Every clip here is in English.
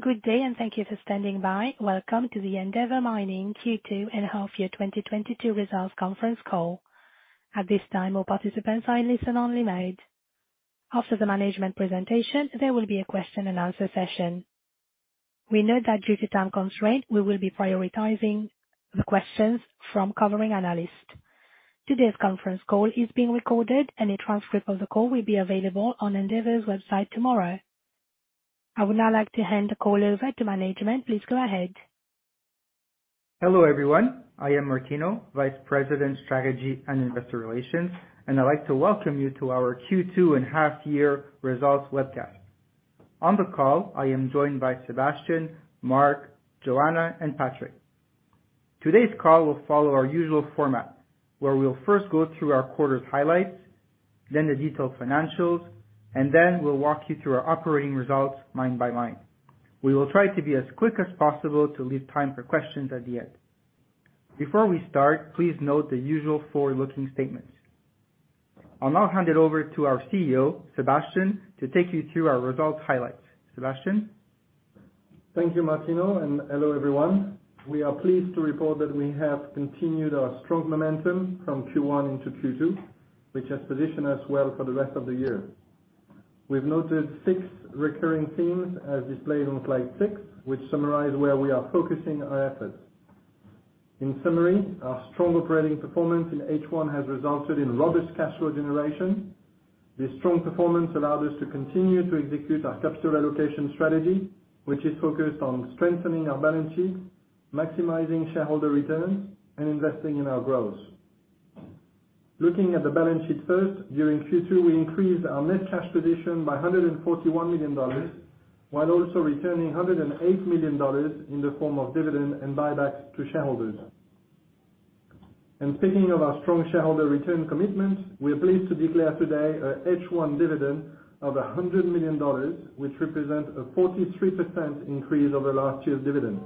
Good day, thank you for standing by. Welcome to the Endeavour Mining Q2 and Half Year 2022 Results Conference Call. At this time, all participants are in listen-only mode. After the management presentation, there will be a question and answer session. We know that due to time constraint, we will be prioritizing the questions from covering analysts. Today's conference call is being recorded, and a transcript of the call will be available on Endeavour's website tomorrow. I would now like to hand the call over to management. Please go ahead. Hello everyone. I am Martino, Vice President, Strategy and Investor Relations, and I'd like to welcome you to our Q2 and half year results webcast. On the call, I am joined by Sébastien, Mark, Joanna, and Patrick. Today's call will follow our usual format, where we'll first go through our quarter's highlights, then the detailed financials, and then we'll walk you through our operating results line by line. We will try to be as quick as possible to leave time for questions at the end. Before we start, please note the usual forward-looking statements. I'll now hand it over to our CEO, Sébastien, to take you through our results highlights. Sébastien? Thank you, Martino, and hello, everyone. We are pleased to report that we have continued our strong momentum from Q1 into Q2, which has positioned us well for the rest of the year. We've noted six recurring themes as displayed on slide six, which summarize where we are focusing our efforts. In summary, our strong operating performance in H1 has resulted in robust cash flow generation. This strong performance allowed us to continue to execute our capital allocation strategy, which is focused on strengthening our balance sheet, maximizing shareholder returns, and investing in our growth. Looking at the balance sheet first, during Q2, we increased our net cash position by $141 million, while also returning $108 million in the form of dividend and buyback to shareholders. Speaking of our strong shareholder return commitment, we are pleased to declare today a H1 dividend of $100 million, which represent a 43% increase over last year's dividend.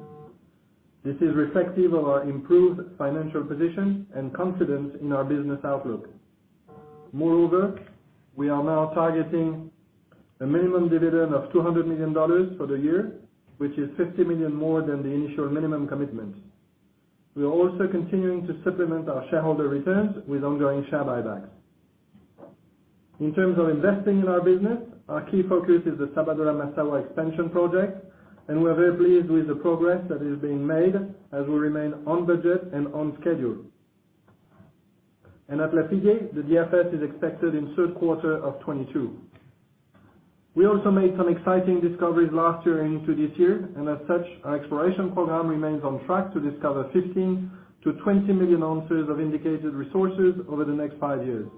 This is reflective of our improved financial position and confidence in our business outlook. Moreover, we are now targeting a minimum dividend of $200 million for the year, which is $50 million more than the initial minimum commitment. We are also continuing to supplement our shareholder returns with ongoing share buybacks. In terms of investing in our business, our key focus is the Sabodala-Massawa expansion project, and we're very pleased with the progress that is being made as we remain on budget and on schedule. At Lafigué, the DFS is expected in third quarter of 2022. We also made some exciting discoveries last year and into this year, and as such, our exploration program remains on track to discover 15 to 20 million ounces of indicated resources over the next five years.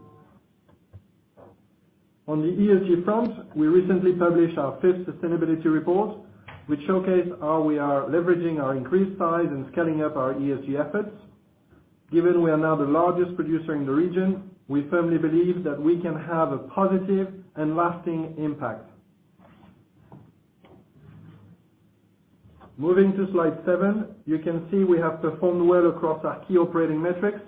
On the ESG front, we recently published our fifth sustainability report, which showcase how we are leveraging our increased size and scaling up our ESG efforts. Given we are now the largest producer in the region, we firmly believe that we can have a positive and lasting impact. Moving to slide seven, you can see we have performed well across our key operating metrics.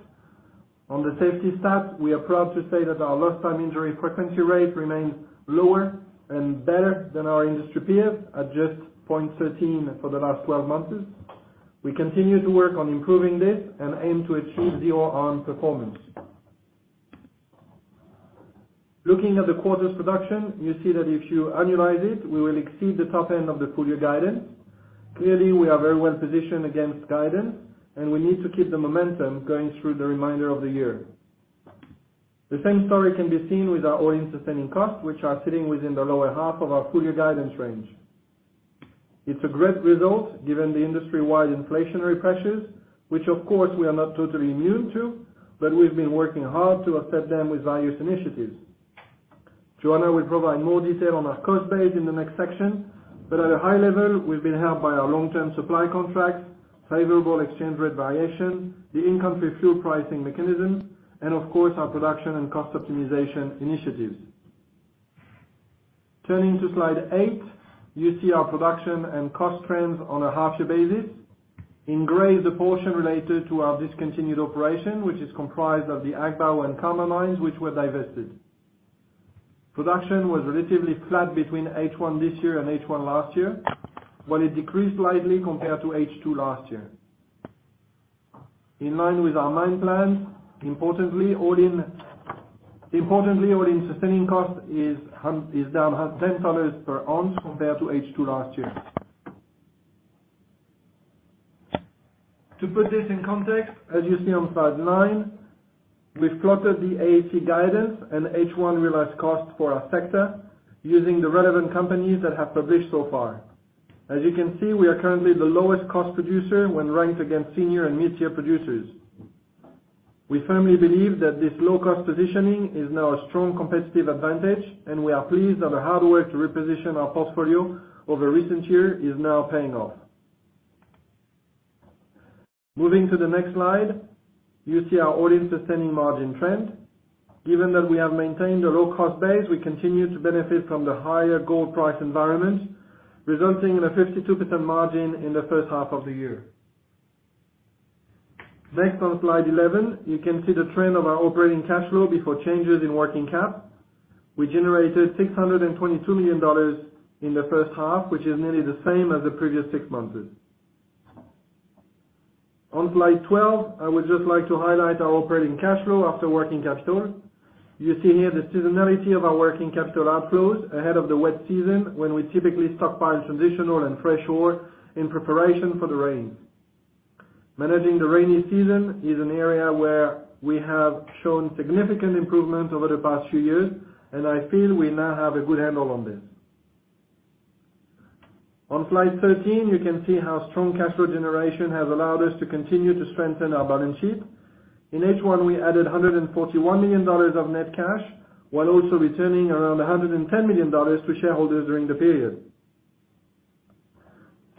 On the safety stat, we are proud to say that our lost time injury frequency rate remains lower and better than our industry peers at just 0.13 for the last 12 months. We continue to work on improving this and aim to achieve zero harm performance. Looking at the quarter's production, you see that if you annualize it, we will exceed the top end of the full year guidance. Clearly, we are very well positioned against guidance, and we need to keep the momentum going through the remainder of the year. The same story can be seen with our all-in sustaining cost, which are sitting within the lower half of our full year guidance range. It's a great result given the industry-wide inflationary pressures, which of course we are not totally immune to, but we've been working hard to offset them with various initiatives. Joanna will provide more detail on our cost base in the next section, but at a high level, we've been helped by our long-term supply contracts, favorable exchange rate variation, the in-country fuel pricing mechanism, and ofcourse, our production and cost optimization initiatives. Turning to slide eight, you see our production and cost trends on a half year basis. In gray is the portion related to our discontinued operation, which is comprised of the Agbaou and Karma mines, which were divested. Production was relatively flat between H1 this year and H1 last year, while it decreased slightly compared to H2 last year. In line with our mine plan, importantly, all in sustaining cost is down $10 per ounce compared to H2 last year. To put this in context, as you see on slide nine, we've plotted the AISC guidance and H1 realized cost for our sector using the relevant companies that have published so far. As you can see, we are currently the lowest cost producer when ranked against senior and mid-tier producers. We firmly believe that this low cost positioning is now a strong competitive advantage, and we are pleased that the hard work to reposition our portfolio over recent year is now paying off. Moving to the next slide, you see our all-in sustaining margin trend. Given that we have maintained a low cost base, we continue to benefit from the higher gold price environment, resulting in a 52% margin in the first half of the year. Next on slide 11, you can see the trend of our operating cash flow before changes in working capital. We generated $622 million in the first half, which is nearly the same as the previous six months. On slide 12, I would just like to highlight our operating cash flow after working capital. You see here the seasonality of our working capital outflows ahead of the wet season, when we typically stockpile transitional and fresh ore in preparation for the rain. Managing the rainy season is an area where we have shown significant improvement over the past few years, and I feel we now have a good handle on this. On slide 13, you can see how strong cash flow generation has allowed us to continue to strengthen our balance sheet. In H1, we added $141 million of net cash, while also returning around $110 million to shareholders during the period.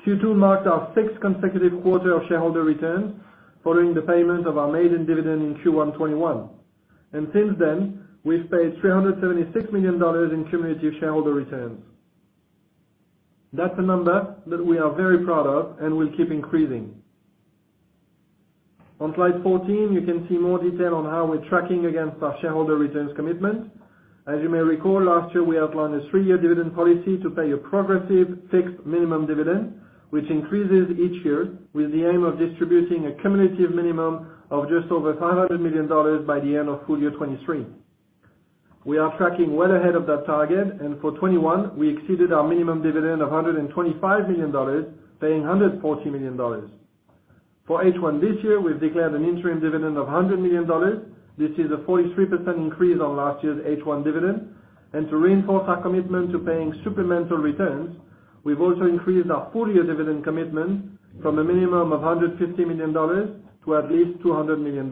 Q2 marked our sixth consecutive quarter of shareholder returns following the payment of our maiden dividend in Q1 2021. Since then, we've paid $376 million in cumulative shareholder returns. That's a number that we are very proud of and will keep increasing. On slide 14, you can see more detail on how we're tracking against our shareholder returns commitment. As you may recall, last year we outlined a three-year dividend policy to pay a progressive fixed minimum dividend, which increases each year, with the aim of distributing a cumulative minimum of just over $500 million by the end of full year 2023. We are tracking well ahead of that target, and for 2021, we exceeded our minimum dividend of $125 million, paying $140 million. For H1 this year, we've declared an interim dividend of $100 million. This is a 43% increase on last year's H1 dividend. To reinforce our commitment to paying supplemental returns, we've also increased our full-year dividend commitment from a minimum of $150 million to at least $200 million.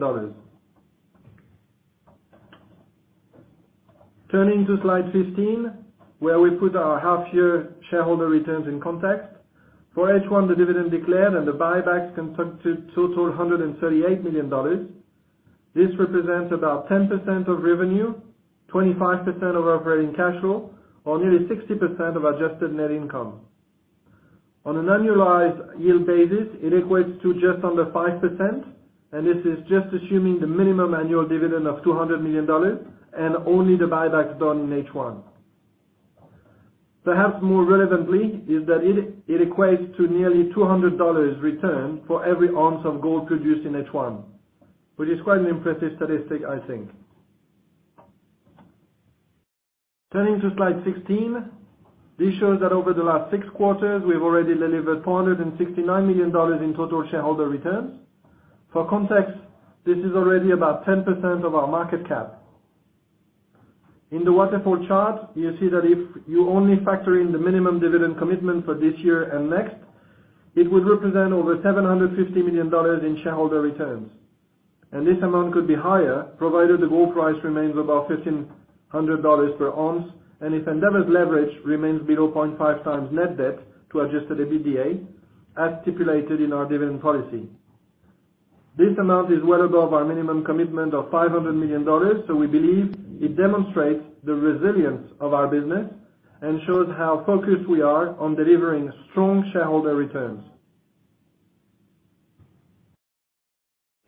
Turning to slide 15, where we put our half-year shareholder returns in context. For H1, the dividend declared and the buybacks conducted total $138 million. This represents about 10% of revenue, 25% of operating cash flow, or nearly 60% of adjusted net income. On an annualized yield basis, it equates to just under 5%, and this is just assuming the minimum annual dividend of $200 million and only the buybacks done in H1. Perhaps more relevantly is that it equates to nearly $200 return for every ounce of gold produced in H1, which is quite an impressive statistic, I think. Turning to slide 16, this shows that over the last six quarters, we've already delivered $469 million in total shareholder returns. For context, this is already about 10% of our market cap. In the waterfall chart, you see that if you only factor in the minimum dividend commitment for this year and next, it would represent over $750 million in shareholder returns, and this amount could be higher, provided the gold price remains above $1,500 per ounce and if Endeavour's leverage remains below 0.5x net debt to adjusted EBITDA, as stipulated in our dividend policy. This amount is well above our minimum commitment of $500 million, so we believe it demonstrates the resilience of our business and shows how focused we are on delivering strong shareholder returns.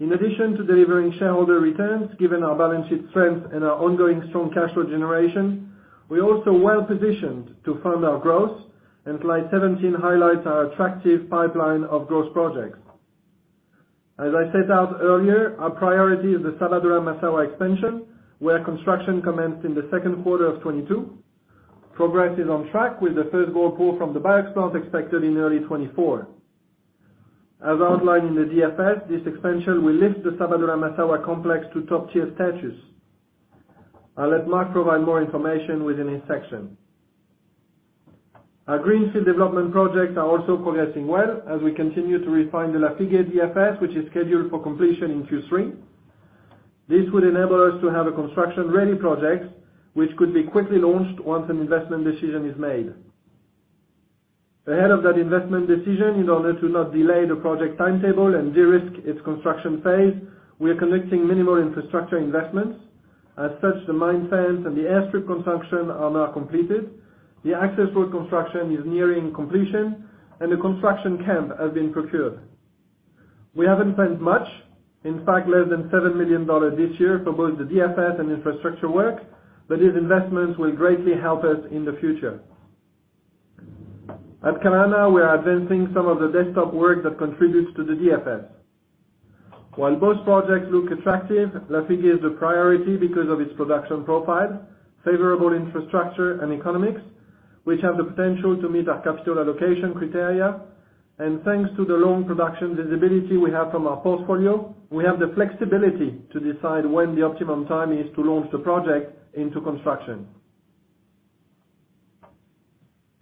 In addition to delivering shareholder returns, given our balance sheet strength and our ongoing strong cash flow generation, we're also well positioned to fund our growth, and slide 17 highlights our attractive pipeline of growth projects. As I set out earlier, our priority is the Sabodala-Massawa expansion, where construction commenced in the second quarter of 2022. Progress is on track with the first gold pour from the BIOX plant expected in early 2024. As outlined in the DFS, this expansion will lift the Sabodala-Massawa complex to top-tier status. I'll let Mark provide more information within his section. Our greenfield development projects are also progressing well as we continue to refine the Lafigué DFS, which is scheduled for completion in Q3. This would enable us to have a construction-ready project which could be quickly launched once an investment decision is made. Ahead of that investment decision, in order to not delay the project timetable and de-risk its construction phase, we are conducting minimal infrastructure investments. As such, the mine fence and the airstrip construction are now completed, the access road construction is nearing completion, and the construction camp has been procured. We haven't spent much, in fact, less than $7 million this year for both the DFS and infrastructure work, but these investments will greatly help us in the future. At Kalana, we are advancing some of the desktop work that contributes to the DFS. While both projects look attractive, Lafigué is the priority because of its production profile, favorable infrastructure and economics, which have the potential to meet our capital allocation criteria. Thanks to the long production visibility we have from our portfolio, we have the flexibility to decide when the optimum time is to launch the project into construction.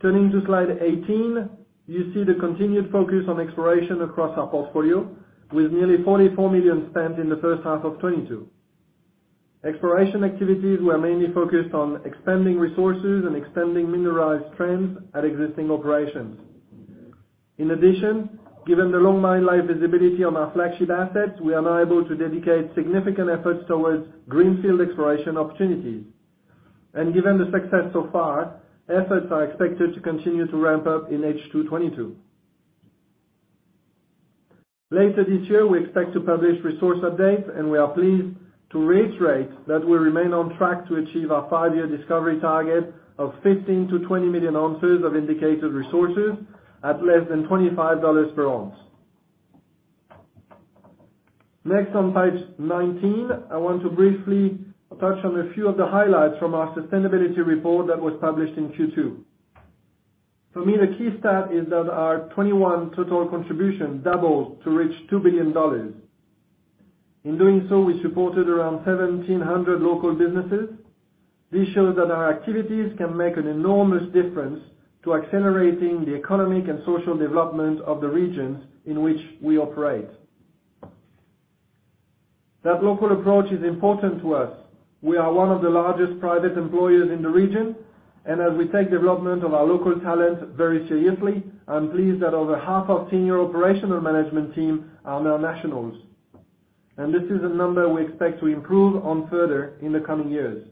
Turning to slide 18, you see the continued focus on exploration across our portfolio with nearly $44 million spent in the first half of 2022. Exploration activities were mainly focused on expanding resources and expanding mineralized trends at existing operations. In addition, given the long mine life visibility on our flagship assets, we are now able to dedicate significant efforts towards greenfield exploration opportunities. Given the success so far, efforts are expected to continue to ramp up in H2 2022. Later this year, we expect to publish resource updates, and we are pleased to reiterate that we remain on track to achieve our five-year discovery target of 15 to 20 million ounces of indicated resources at less than $25 per ounce. Next, on page 19, I want to briefly touch on a few of the highlights from our sustainability report that was published in Q2. For me, the key stat is that our 2021 total contribution doubled to reach $2 billion. In doing so, we supported around 1,700 local businesses. This shows that our activities can make an enormous difference to accelerating the economic and social development of the regions in which we operate. That local approach is important to us. We are one of the largest private employers in the region, and as we take development of our local talent very seriously, I'm pleased that over half our senior operational management team are now nationals. This is a number we expect to improve on further in the coming years.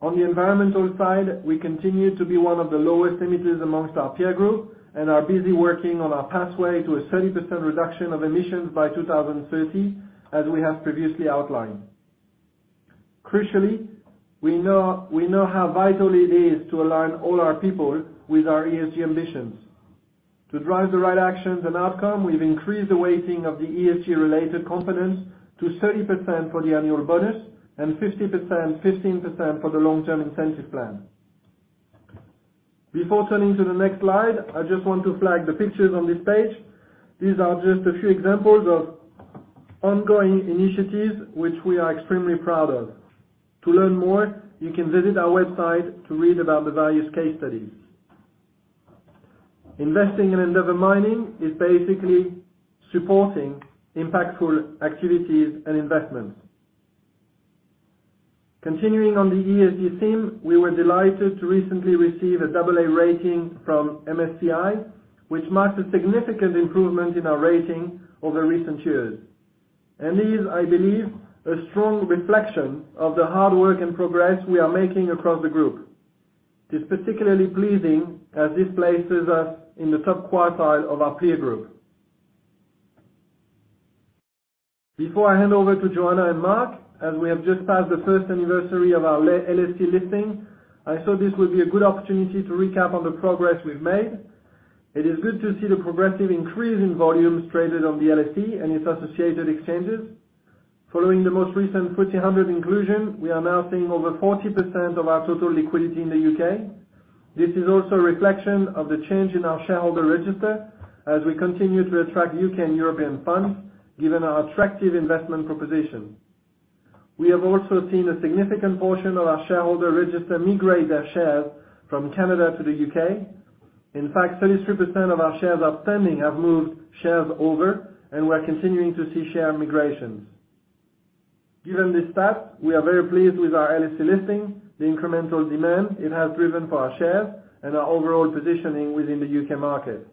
On the environmental side, we continue to be one of the lowest emitters among our peer group and are busy working on our pathway to a 30% reduction of emissions by 2030, as we have previously outlined. Crucially, we know how vital it is to align all our people with our ESG ambitions. To drive the right actions and outcome, we've increased the weighting of the ESG related components to 30% for the annual bonus and 50%/15% for the long-term incentive plan. Before turning to the next slide, I just want to flag the pictures on this page. These are just a few examples of ongoing initiatives which we are extremely proud of. To learn more, you can visit our website to read about the various case studies. Investing in Endeavour Mining is basically supporting impactful activities and investments. Continuing on the ESG theme, we were delighted to recently receive a double A rating from MSCI, which marks a significant improvement in our rating over recent years. Is, I believe, a strong reflection of the hard work and progress we are making across the group. It's particularly pleasing as this places us in the top quartile of our peer group. Before I hand over to Joanna and Mark, as we have just passed the first anniversary of our LSE listing, I thought this would be a good opportunity to recap on the progress we've made. It is good to see the progressive increase in volumes traded on the LSE and its associated exchanges. Following the most recent FTSE 100 inclusion, we are now seeing over 40% of our total liquidity in the U.K.. This is also a reflection of the change in our shareholder register as we continue to attract U.K. And European funds, given our attractive investment proposition. We have also seen a significant portion of our shareholder register migrate their shares from Canada to the U.K.. In fact, 33% of our shares outstanding have moved shares over, and we're continuing to see share migrations. Given this stat, we are very pleased with our LSE listing, the incremental demand it has driven for our shares, and our overall positioning within the U.K. market.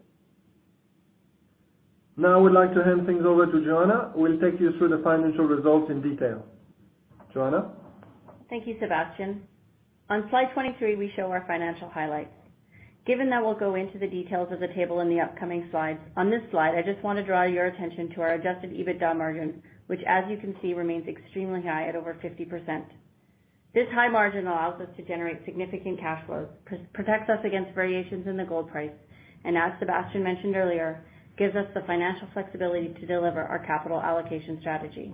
Now I would like to hand things over to Joanna, who will take you through the financial results in detail. Joanna? Thank you, Sébastien. On slide 23, we show our financial highlights. Given that we'll go into the details of the table in the upcoming slides, on this slide, I just wanna draw your attention to our adjusted EBITDA margin, which as you can see, remains extremely high at over 50%. This high margin allows us to generate significant cash flows, protects us against variations in the gold price, and as Sébastien mentioned earlier, gives us the financial flexibility to deliver our capital allocation strategy.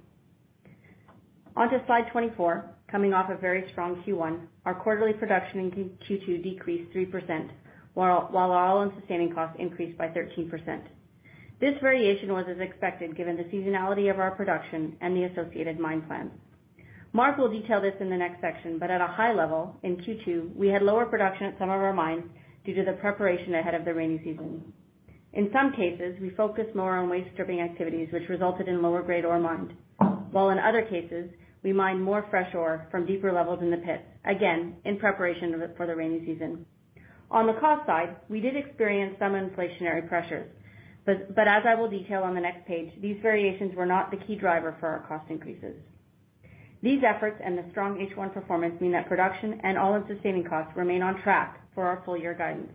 Onto slide 24, coming off a very strong Q1, our quarterly production in Q2 decreased 3%, while all-in sustaining costs increased by 13%. This variation was as expected given the seasonality of our production and the associated mine plan. Mark will detail this in the next section, but at a high level, in Q2, we had lower production at some of our mines due to the preparation ahead of the rainy season. In some cases, we focused more on waste stripping activities, which resulted in lower-grade ore mined. While in other cases, we mined more fresh ore from deeper levels in the pits, again, in preparation for the rainy season. On the cost side, we did experience some inflationary pressures, but as I will detail on the next page, these variations were not the key driver for our cost increases. These efforts and the strong H1 performance mean that production and all-in sustaining costs remain on track for our full year guidance.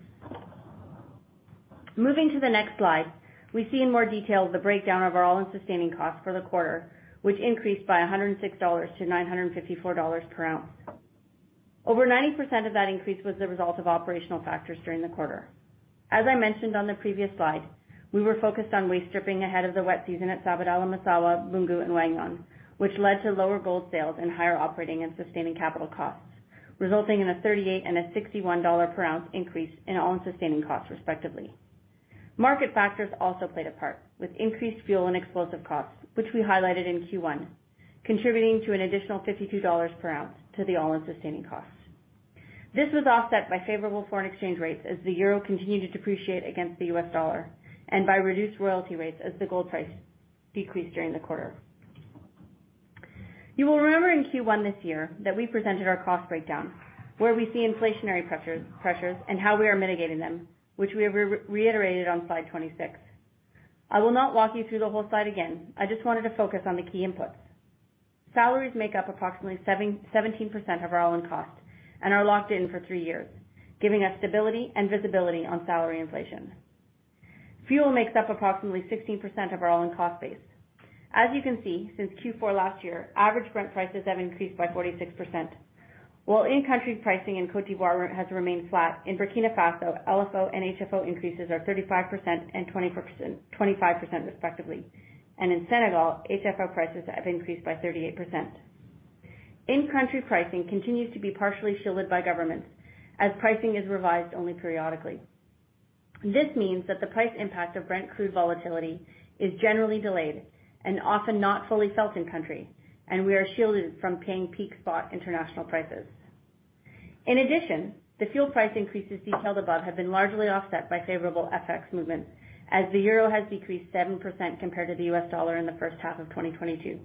Moving to the next slide, we see in more detail the breakdown of our all-in sustaining costs for the quarter, which increased by $106 to $954 per ounce. Over 90% of that increase was the result of operational factors during the quarter. As I mentioned on the previous slide, we were focused on waste stripping ahead of the wet season at Sabodala-Massawa, Boungou, and Wahgnion, which led to lower gold sales and higher operating and sustaining capital costs, resulting in a $38 and a $61 per ounce increase in all-in sustaining costs, respectively. Market factors also played a part, with increased fuel and explosive costs, which we highlighted in Q1, contributing to an additional $52 per ounce to the all-in sustaining costs. This was offset by favorable foreign exchange rates as the euro continued to depreciate against the U.S. dollar and by reduced royalty rates as the gold price decreased during the quarter. You will remember in Q1 this year that we presented our cost breakdown, where we see inflationary pressures and how we are mitigating them, which we reiterated on slide 26. I will not walk you through the whole slide again. I just wanted to focus on the key inputs. Salaries make up approximately 17% of our all-in cost and are locked in for three years, giving us stability and visibility on salary inflation. Fuel makes up approximately 16% of our all-in cost base. As you can see, since Q4 last year, average Brent prices have increased by 46%, while in-country pricing in Côte d'Ivoire has remained flat. In Burkina Faso, LFO and HFO increases are 35% and 25% respectively. In Senegal, HFO prices have increased by 38%. In-country pricing continues to be partially shielded by governments as pricing is revised only periodically. This means that the price impact of Brent crude volatility is generally delayed and often not fully felt in country, and we are shielded from paying peak spot international prices. In addition, the fuel price increases detailed above have been largely offset by favorable FX movement, as the euro has decreased 7% compared to the U.S. dollar in the first half of 2022.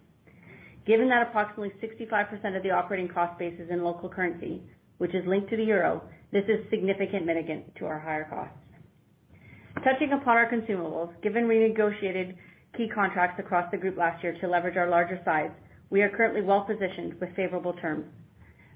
Given that approximately 65% of the operating cost base is in local currency, which is linked to the euro, this is a significant mitigant to our higher costs. Touching upon our consumables, given renegotiated key contracts across the group last year to leverage our larger size, we are currently well positioned with favorable terms.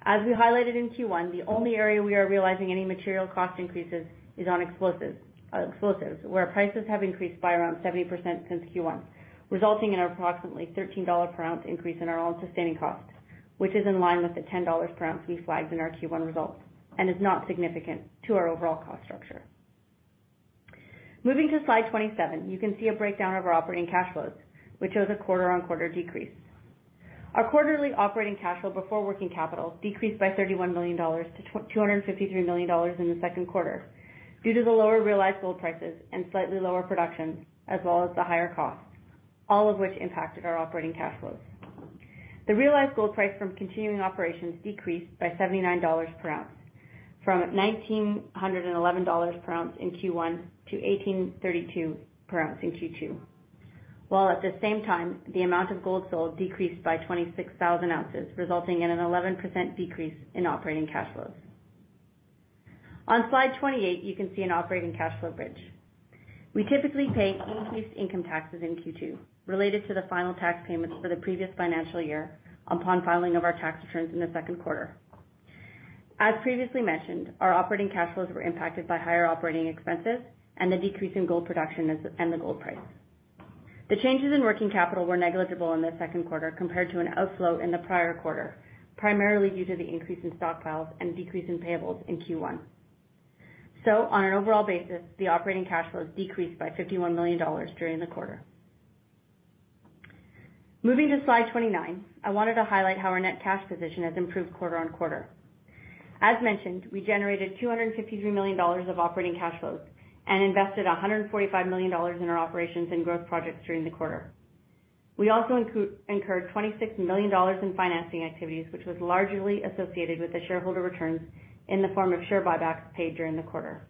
As we highlighted in Q1, the only area we are realizing any material cost increases is on explosives, where prices have increased by around 70% since Q1, resulting in approximately $13 per ounce increase in our all-in sustaining costs, which is in line with the $10 per ounce we flagged in our Q1 results and is not significant to our overall cost structure. Moving to slide 27, you can see a breakdown of our operating cash flows, which shows a quarter-on-quarter decrease. Our quarterly operating cash flow before working capital decreased by $31 million to $253 million in the Q2 due to the lower realized gold prices and slightly lower production, as well as the higher costs, all of which impacted our operating cash flows. The realized gold price from continuing operations decreased by $79 per ounce from $1,911 per ounce in Q1 to $1,832 per ounce in Q2, while at the same time, the amount of gold sold decreased by 26,000 ounces, resulting in an 11% decrease in operating cash flows. On slide 28, you can see an operating cash flow bridge. We typically pay increased income taxes in Q2 related to the final tax payments for the previous financial year upon filing of our tax returns in the Q2. As previously mentioned, our operating cash flows were impacted by higher operating expenses and the decrease in gold production and the gold price. The changes in working capital were negligible in the second quarter compared to an outflow in the prior quarter, primarily due to the increase in stockpiles and decrease in payables in Q1. On an overall basis, the operating cash flows decreased by $51 million during the quarter. Moving to slide 29, I wanted to highlight how our net cash position has improved quarter-on-quarter. As mentioned, we generated $253 million of operating cash flows and invested $145 million in our operations and growth projects during the quarter. We also incurred $26 million in financing activities, which was largely associated with the shareholder returns in the form of share buybacks paid during the quarter.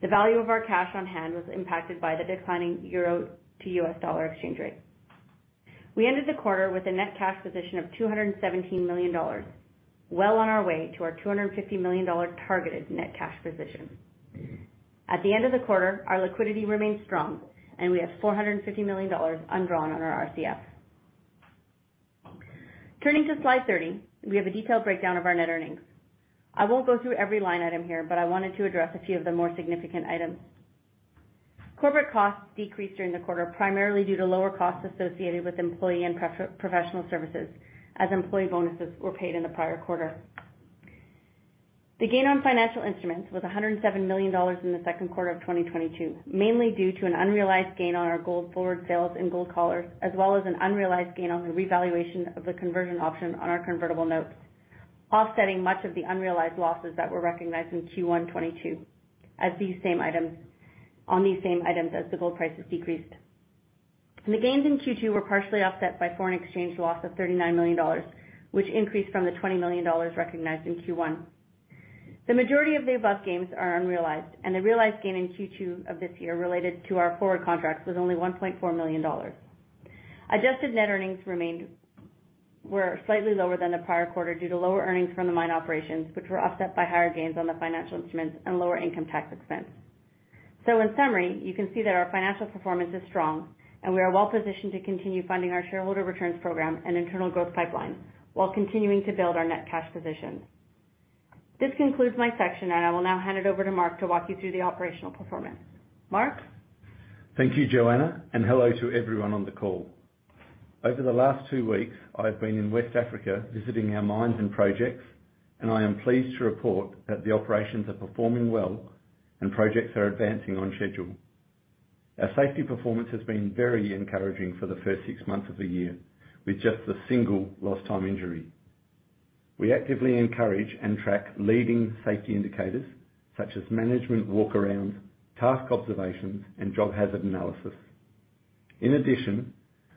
The value of our cash on hand was impacted by the declining euro to U.S. dollar exchange rate. We ended the quarter with a net cash position of $217 million, well on our way to our $250 million targeted net cash position. At the end of the quarter, our liquidity remains strong and we have $450 million undrawn on our RCF. Turning to slide 30, we have a detailed breakdown of our net earnings. I won't go through every line item here, but I wanted to address a few of the more significant items. Corporate costs decreased during the quarter, primarily due to lower costs associated with employee and professional services, as employee bonuses were paid in the prior quarter. The gain on financial instruments was $107 million in the Q2 of 2022, mainly due to an unrealized gain on our gold forward sales and gold collars, as well as an unrealized gain on the revaluation of the conversion option on our convertible notes, offsetting much of the unrealized losses that were recognized in Q1 2022 as these same items as the gold prices decreased. The gains in Q2 were partially offset by foreign exchange loss of $39 million, which increased from the $20 million recognized in Q1. The majority of the above gains are unrealized, and the realized gain in Q2 of this year related to our forward contracts was only $1.4 million. Adjusted net earnings were slightly lower than the prior quarter due to lower earnings from the mine operations, which were offset by higher gains on the financial instruments and lower income tax expense. In summary, you can see that our financial performance is strong and we are well positioned to continue funding our shareholder returns program and internal growth pipeline while continuing to build our net cash position. This concludes my section, and I will now hand it over to Mark to walk you through the operational performance. Mark? Thank you, Joanna, and hello to everyone on the call. Over the last two weeks, I've been in West Africa visiting our mines and projects, and I am pleased to report that the operations are performing well and projects are advancing on schedule. Our safety performance has been very encouraging for the first six months of the year with just a single lost time injury. We actively encourage and track leading safety indicators such as management walk around, task observations, and job hazard analysis. In addition,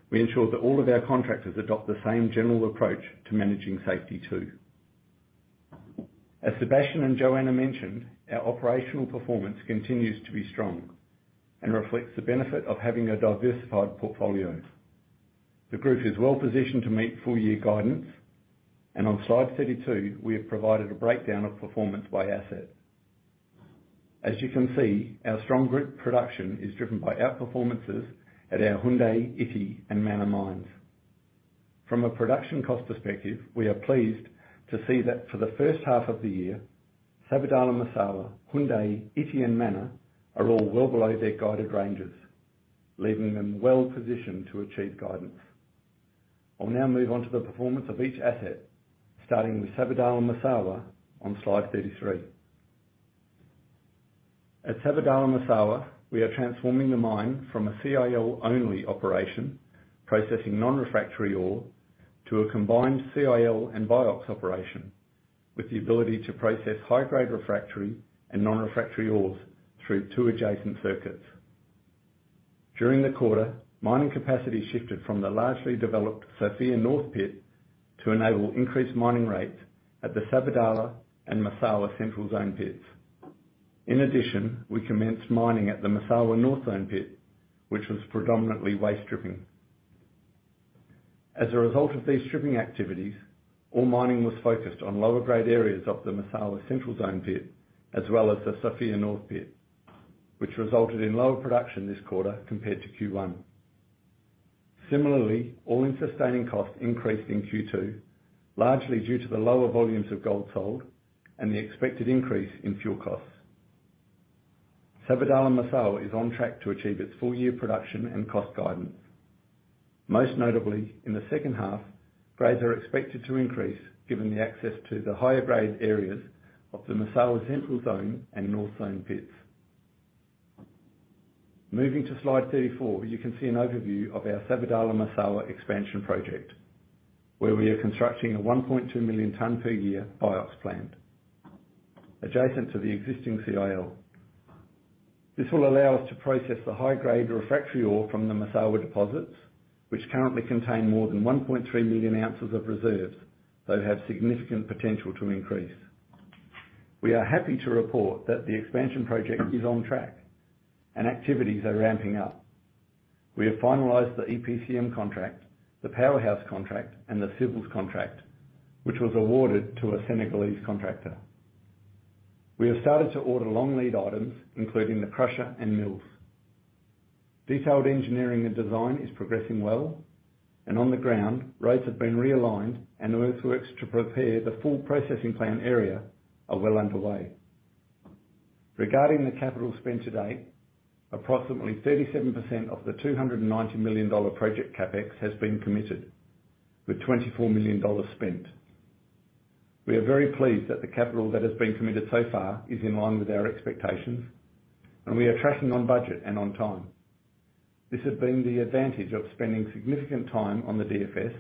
we ensure that all of our contractors adopt the same general approach to managing safety too. As Sébastien and Joanna mentioned, our operational performance continues to be strong and reflects the benefit of having a diversified portfolio. The group is well-positioned to make full-year guidance. On slide 32, we have provided a breakdown of performance by asset. As you can see, our strong group production is driven by outperformances at our Houndé, Ity, and Mana mines. From a production cost perspective, we are pleased to see that for the first half of the year, Sabodala-Massawa, Houndé, Ity, and Mana are all well below their guided ranges, leaving them well-positioned to achieve guidance. I'll now move on to the performance of each asset, starting with Sabodala-Massawa on slide 33. At Sabodala-Massawa, we are transforming the mine from a CIL-only operation, processing non-refractory ore, to a combined CIL and BIOX operation, with the ability to process high-grade refractory and non-refractory ores through two adjacent circuits. During the quarter, mining capacity shifted from the largely developed Sofia North pit to enable increased mining rates at the Sabodala and Massawa central zone pits. In addition, we commenced mining at the Massawa North zone pit, which was predominantly waste stripping. As a result of these stripping activities, all mining was focused on lower grade areas of the Massawa central zone pit, as well as the Sofia North pit, which resulted in lower production this quarter compared to Q1. Similarly, all-in sustaining costs increased in Q2, largely due to the lower volumes of gold sold and the expected increase in fuel costs. Sabodala-Massawa is on track to achieve its full-year production and cost guidance. Most notably, in the H2, grades are expected to increase given the access to the higher grade areas of the Massawa central zone and north zone pits. Moving to slide 34, you can see an overview of our Sabodala-Massawa expansion project, where we are constructing a 1.2 million ton per year BIOX plant adjacent to the existing CIL. This will allow us to process the high-grade refractory ore from the Massawa deposits, which currently contain more than 1.3 million ounces of reserves, that have significant potential to increase. We are happy to report that the expansion project is on track and activities are ramping up. We have finalized the EPCM contract, the powerhouse contract, and the civils contract, which was awarded to a Senegalese contractor. We have started to order long lead items, including the crusher and mills. Detailed engineering and design is progressing well, and on the ground, roads have been realigned and earthworks to prepare the full processing plant area are well underway. Regarding the capital spent to date, approximately 37% of the $290 million project CapEx has been committed with $24 million spent. We are very pleased that the capital that has been committed so far is in line with our expectations, and we are tracking on budget and on time. This has been the advantage of spending significant time on the DFS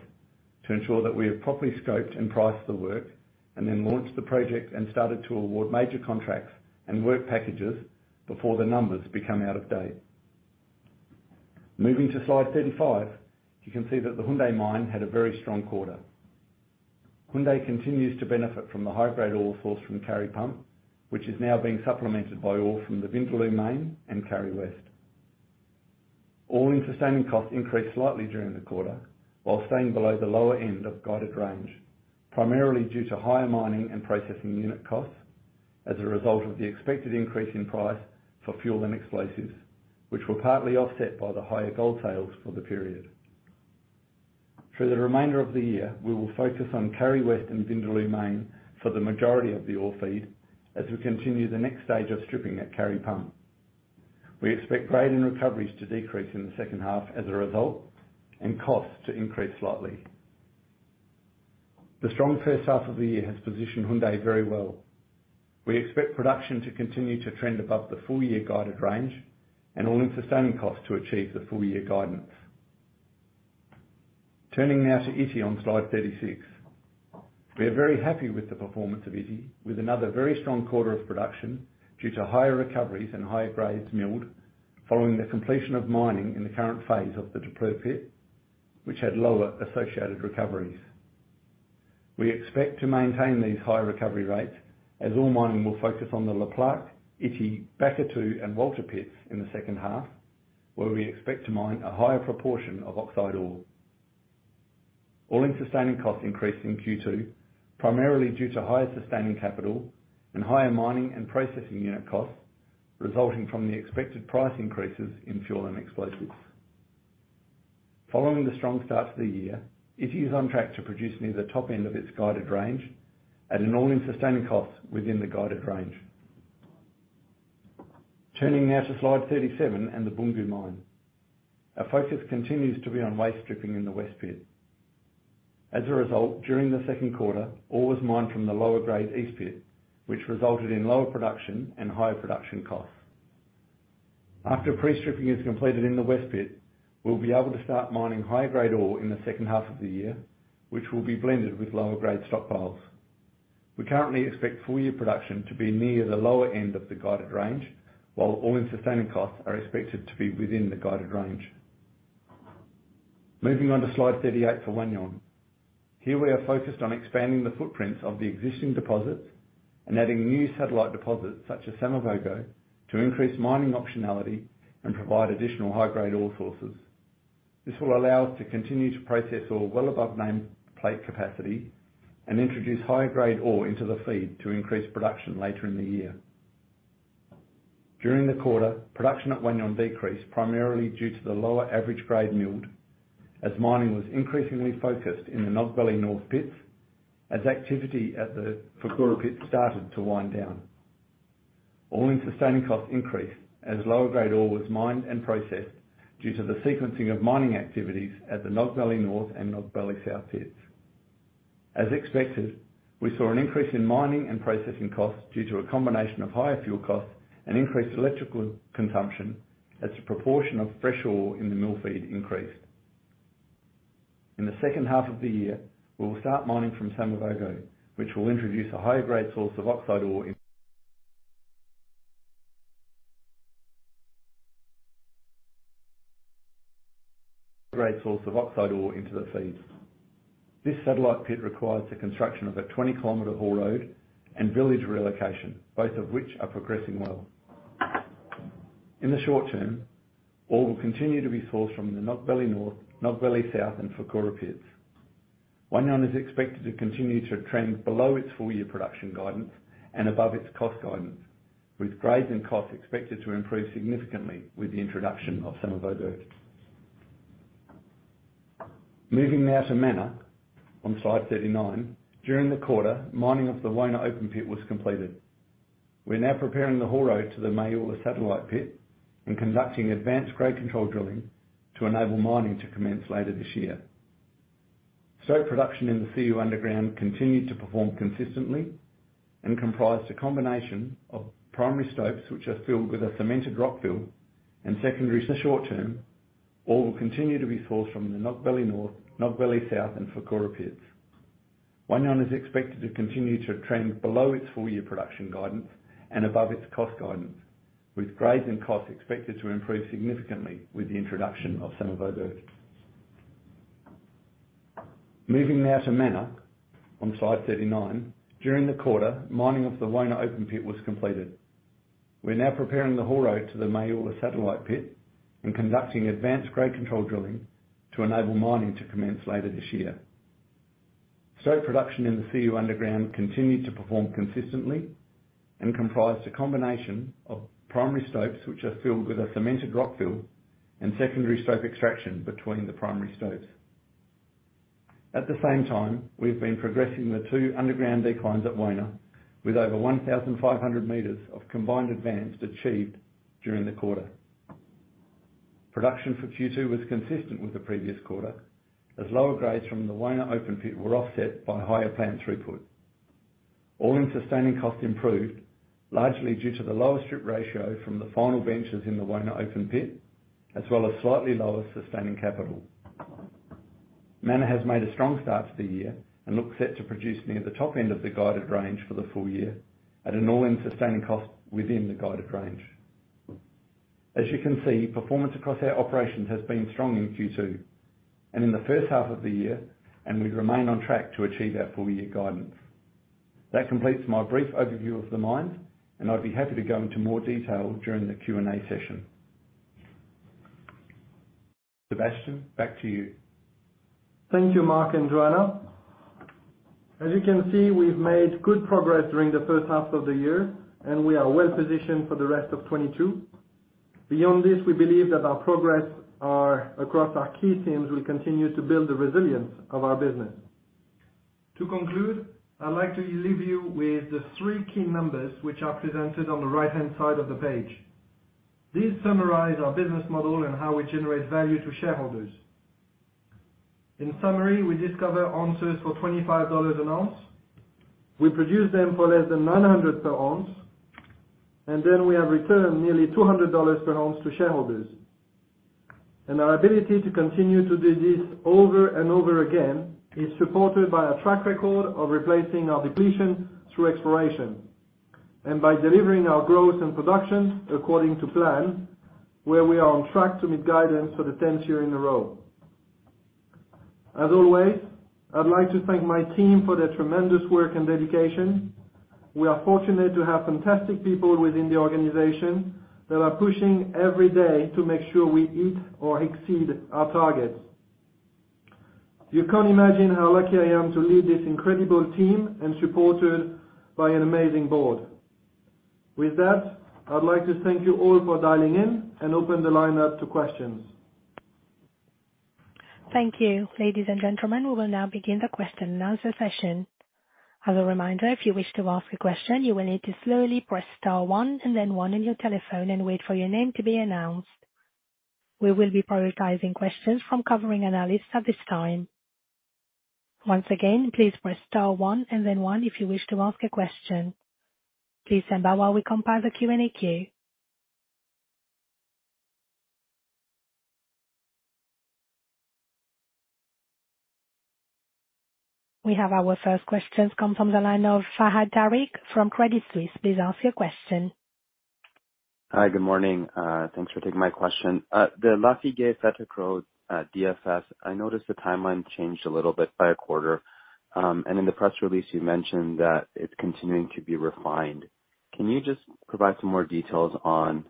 to ensure that we have properly scoped and priced the work, and then launched the project and started to award major contracts and work packages before the numbers become out of date. Moving to slide 35, you can see that the Houndé mine had a very strong quarter. Houndé continues to benefit from the high-grade ore source from Kari Pump, which is now being supplemented by ore from the Vindaloo Main and Kari West. All-in sustaining costs increased slightly during the quarter while staying below the lower end of guided range, primarily due to higher mining and processing unit costs as a result of the expected increase in price for fuel and explosives, which were partly offset by the higher gold sales for the period. For the remainder of the year, we will focus on Kari West and Vindaloo Main for the majority of the ore feed as we continue the next stage of stripping at Kari Pump. We expect grade and recoveries to decrease in the second half as a result and costs to increase slightly. The strong H1 of the year has positioned Houndé very well. We expect production to continue to trend above the full-year guided range and all-in sustaining costs to achieve the full-year guidance. Turning now to Ity on slide 36. We are very happy with the performance of Ity with another very strong quarter of production due to higher recoveries and higher grades milled following the completion of mining in the current phase of the Daapleu pit, which had lower associated recoveries. We expect to maintain these high recovery rates as all mining will focus on the Le Plaque, Ity, Bakatouo, and Walter pits in the H2, where we expect to mine a higher proportion of oxide ore. All-in sustaining costs increased in Q2, primarily due to higher sustaining capital and higher mining and processing unit costs resulting from the expected price increases in fuel and explosives. Following the strong start to the year, Ity is on track to produce near the top end of its guided range at an all-in sustaining cost within the guided range. Turning now to slide 37 and the Boungou mine. Our focus continues to be on waste stripping in the West pit. As a result, during the second quarter, ore was mined from the lower grade East pit, which resulted in lower production and higher production costs. After pre-stripping is completed in the West pit, we'll be able to start mining higher-grade ore in the H2 of the year, which will be blended with lower grade stockpiles. We currently expect full-year production to be near the lower end of the guided range, while all-in sustaining costs are expected to be within the guided range. Moving on to slide 38 for Wahgnion. Here we are focused on expanding the footprints of the existing deposits and adding new satellite deposits such as Samavogo, to increase mining optionality and provide additional high-grade ore sources. This will allow us to continue to process ore well above nameplate capacity and introduce higher grade ore into the feed to increase production later in the year. During the quarter, production at Wahgnion decreased primarily due to the lower average grade milled, as mining was increasingly focused in the Nogbele North pits, as activity at the Fourkoura pit started to wind down. All-in sustaining costs increased as lower grade ore was mined and processed due to the sequencing of mining activities at the Nogbele North and Nogbele South pits. As expected, we saw an increase in mining and processing costs due to a combination of higher fuel costs and increased electrical consumption as a proportion of fresh ore in the mill feed increased. In the H2 of the year, we will start mining from Samavogo, which will introduce a higher grade source of oxide ore into the feeds. This satellite pit requires the construction of a 20-kilometer haul road and village relocation, both of which are progressing well. In the short term, ore will continue to be sourced from the Nogbele North, Nogbele South, and Fourkoura pits. Wahgnion is expected to continue to trend below its full-year production guidance and above its cost guidance, with grades and costs expected to improve significantly with the introduction of Samavogo. Moving now to Mana on slide 39. During the quarter, mining of the Maoula open pit was completed. We're now preparing the haul road to the Maoula satellite pit and conducting advanced grade control drilling to enable mining to commence later this year. Stope production in the Siou underground continued to perform consistently and comprised a combination of primary stopes which are filled with a cemented rock fill and secondary short term, ore will continue to be sourced from the Nogbele North, Nogbele South, and Fourkoura pits. Wahgnion is expected to continue to trend below its full-year production guidance and above its cost guidance, with grades and costs expected to improve significantly with the introduction of Samavogo. Moving now to Mana on slide 39. During the quarter, mining of the Wona open pit was completed. We're now preparing the haul road to the Maoula satellite pit and conducting advanced grade control drilling to enable mining to commence later this year. Siou underground continued to perform consistently and comprised a combination of primary stopes which are filled with a cemented rock fill and secondary stope extraction between the primary stopes. At the same time, we've been progressing the two underground declines at Wona with over 1,500 meters of combined advance achieved during the quarter. Production for Q2 was consistent with the previous quarter as lower grades from the Wona open pit were offset by higher plant throughput. All-in sustaining costs improved, largely due to the lower strip ratio from the final benches in the Wona open pit, as well as slightly lower sustaining capital. Mana has made a strong start to the year and looks set to produce near the top end of the guided range for the full year at an all-in sustaining cost within the guided range. As you can see, performance across our operations has been strong in Q2 and in the H1 of the year, and we remain on track to achieve our full-year guidance. That completes my brief overview of the mine, and I'd be happy to go into more detail during the Q&A session. Sébastien, back to you. Thank you, Mark and Joanna. As you can see, we've made good progress during the H1 of the year, and we are well positioned for the rest of 2022. Beyond this, we believe that our progress across our key teams will continue to build the resilience of our business. To conclude, I'd like to leave you with the three key numbers which are presented on the right-hand side of the page. These summarize our business model and how we generate value to shareholders. In summary, we discover ounces for $25 an ounce. We produce them for less than $900 per ounce, and then we have returned nearly $200 per ounce to shareholders. Our ability to continue to do this over and over again is supported by a track record of replacing our depletion through exploration and by delivering our growth and production according to plan, where we are on track to meet guidance for the 10th year in a row. As always, I'd like to thank my team for their tremendous work and dedication. We are fortunate to have fantastic people within the organization that are pushing every day to make sure we hit or exceed our targets. You can't imagine how lucky I am to lead this incredible team and supported by an amazing board. With that, I'd like to thank you all for dialing in and open the line up to questions. Thank you. Ladies and gentlemen, we will now begin the question and answer session. As a reminder, if you wish to ask a question, you will need to slowly press star one and then one on your telephone and wait for your name to be announced. We will be prioritizing questions from covering analysts at this time. Once again, please press star one and then one if you wish to ask a question. Please stand by while we compile the Q&A queue. We have our first question come from the line of Fahad Tariq from Credit Suisse. Please ask your question. Hi, good morning. Thanks for taking my question. The Lafigué, Fetekro, DFS, I noticed the timeline changed a little bit by a quarter. In the press release you mentioned that it's continuing to be refined. Can you just provide some more details on,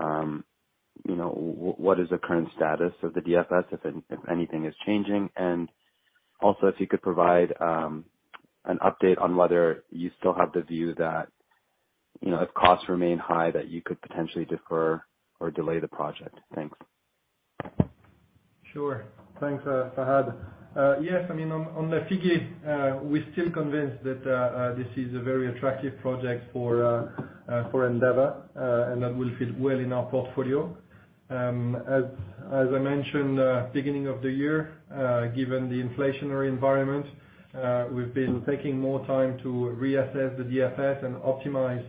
you know, what is the current status of the DFS if anything is changing? Also if you could provide, an update on whether you still have the view that, you know, if costs remain high, that you could potentially defer or delay the project. Thanks. Sure. Thanks, Fahad. Yes, I mean, on Lafigué, we're still convinced that this is a very attractive project for Endeavour, and that will fit well in our portfolio. As I mentioned, beginning of the year, given the inflationary environment, we've been taking more time to reassess the DFS and optimize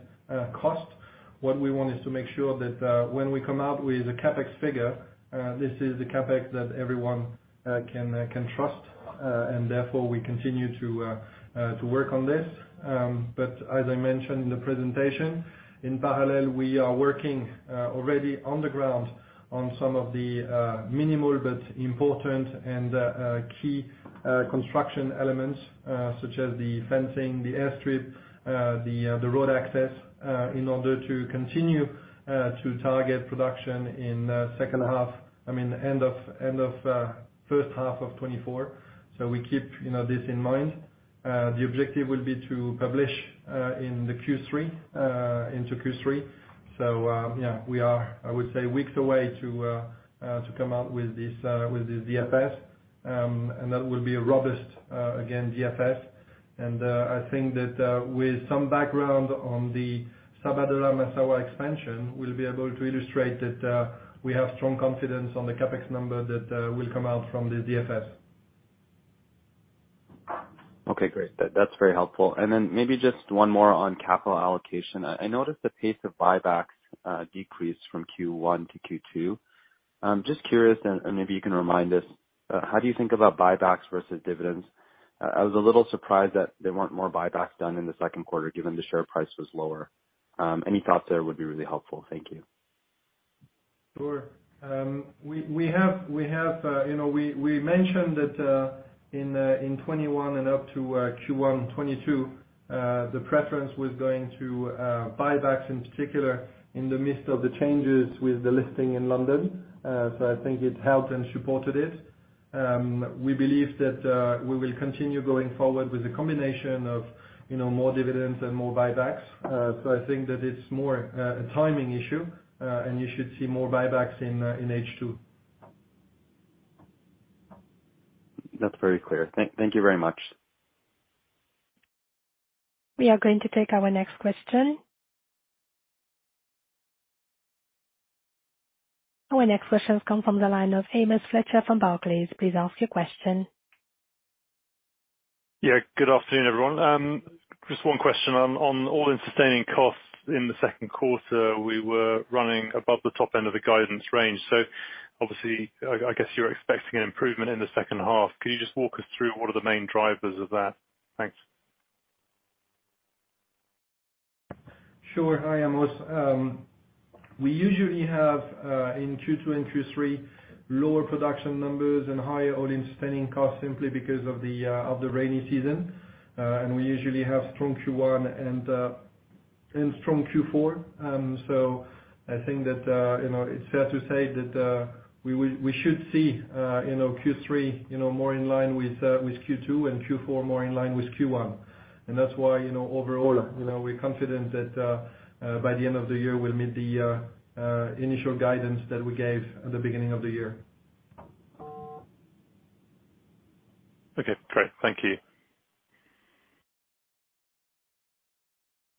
costs. What we want is to make sure that when we come out with a CapEx figure, this is the CapEx that everyone can trust, and therefore we continue to work on this. As I mentioned in the presentation, in parallel, we are working already on the ground on some of the minimal but important and key construction elements, such as the fencing, the airstrip, the road access, in order to continue to target production in H2, I mean, end of H1 of 2024. We keep, you know, this in mind. The objective will be to publish in the Q3, into Q3. Yeah, we are, I would say, weeks away to come out with this DFS, and that will be a robust, again, DFS. I think that, with some background on the Sabodala-Massawa expansion, we'll be able to illustrate that we have strong confidence on the CapEx number that will come out from the DFS. Okay, great. That's very helpful. Maybe just one more on capital allocation. I noticed the pace of buybacks decreased from Q1 to Q2. I'm just curious, and maybe you can remind us how do you think about buybacks versus dividends? I was a little surprised that there weren't more buybacks done in the Q2 given the share price was lower. Any thoughts there would be really helpful. Thank you. Sure. We have, you know, we mentioned that in 2021 and up to Q1 2022, the preference was going to buybacks in particular in the midst of the changes with the listing in London. I think it helped and supported it. We believe that we will continue going forward with a combination of, you know, more dividends and more buybacks. I think that it's more a timing issue, and you should see more buybacks in H2. That's very clear. Thank you very much. We are going to take our next question. Our next question comes from the line of Amos Fletcher from Barclays. Please ask your question. Good afternoon, everyone. Just one question on all-in sustaining costs in the Q2, we were running above the top end of the guidance range. Obviously, I guess you're expecting an improvement in the H2. Could you just walk us through what are the main drivers of that? Thanks. Sure. Hi, Amos. We usually have in Q2 and Q3, lower production numbers and higher all-in sustaining costs simply because of the rainy season. We usually have strong Q1 and strong Q4. I think that you know, it's fair to say that we should see you know, Q3 you know, more in line with Q2 and Q4 more in line with Q1. That's why you know, overall, you know, we're confident that by the end of the year, we'll meet the initial guidance that we gave at the beginning of the year. Okay, great. Thank you.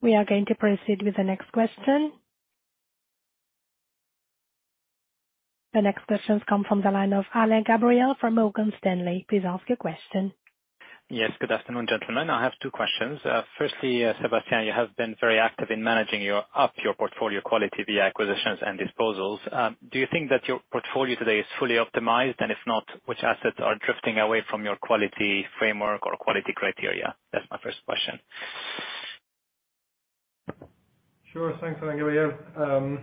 We are going to proceed with the next question. The next questions come from the line of Alain Gabriel from Morgan Stanley. Please ask your question. Yes, good afternoon, gentlemen. I have two questions. Firstly, Sébastien, you have been very active in managing your portfolio quality via acquisitions and disposals. Do you think that your portfolio today is fully optimized? If not, which assets are drifting away from your quality framework or quality criteria? That's my first question. Sure. Thanks, Alain Gabriel.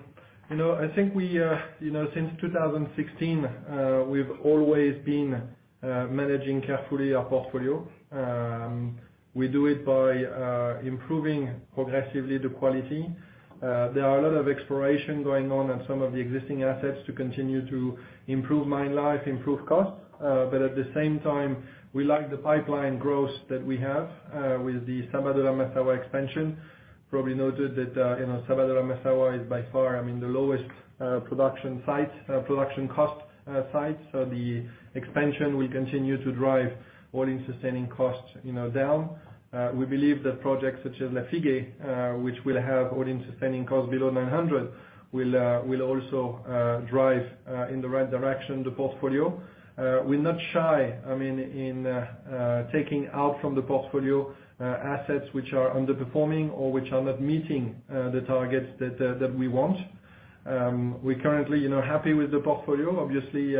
You know, I think we, you know, since 2016, we've always been managing carefully our portfolio. We do it by improving progressively the quality. There are a lot of exploration going on in some of the existing assets to continue to improve mine life, improve costs. But at the same time, we like the pipeline growth that we have with the Sabodala-Massawa expansion. Probably noted that, you know, Sabodala-Massawa is by far, I mean, the lowest production site, production cost site. So the expansion will continue to drive all-in sustaining costs, you know, down. We believe that projects such as Lafigué, which will have all-in sustaining costs below $900, will also drive in the right direction the portfolio. We're not shy, I mean, in taking out from the portfolio assets which are underperforming or which are not meeting the targets that we want. We're currently, you know, happy with the portfolio. Obviously,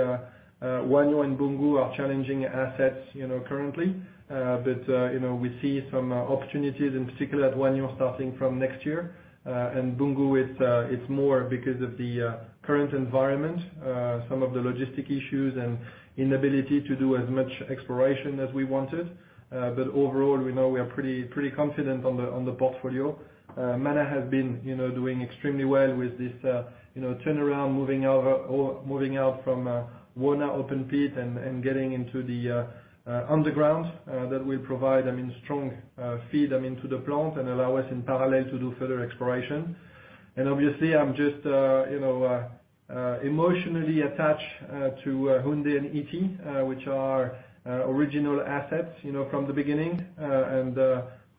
Wahgnion and Boungou are challenging assets, you know, currently. You know, we see some opportunities in particular at Wahgnion starting from next year. Boungou, it's more because of the current environment, some of the logistic issues and inability to do as much exploration as we wanted. Overall, we know we are pretty confident on the portfolio. Mana has been, you know, doing extremely well with this, you know, turnaround moving out from Wona open pit and getting into the underground that will provide, I mean, strong feed, I mean, to the plant and allow us in parallel to do further exploration. Obviously, I'm just, you know, emotionally attached to Houndé and Ity, which are original assets, you know, from the beginning.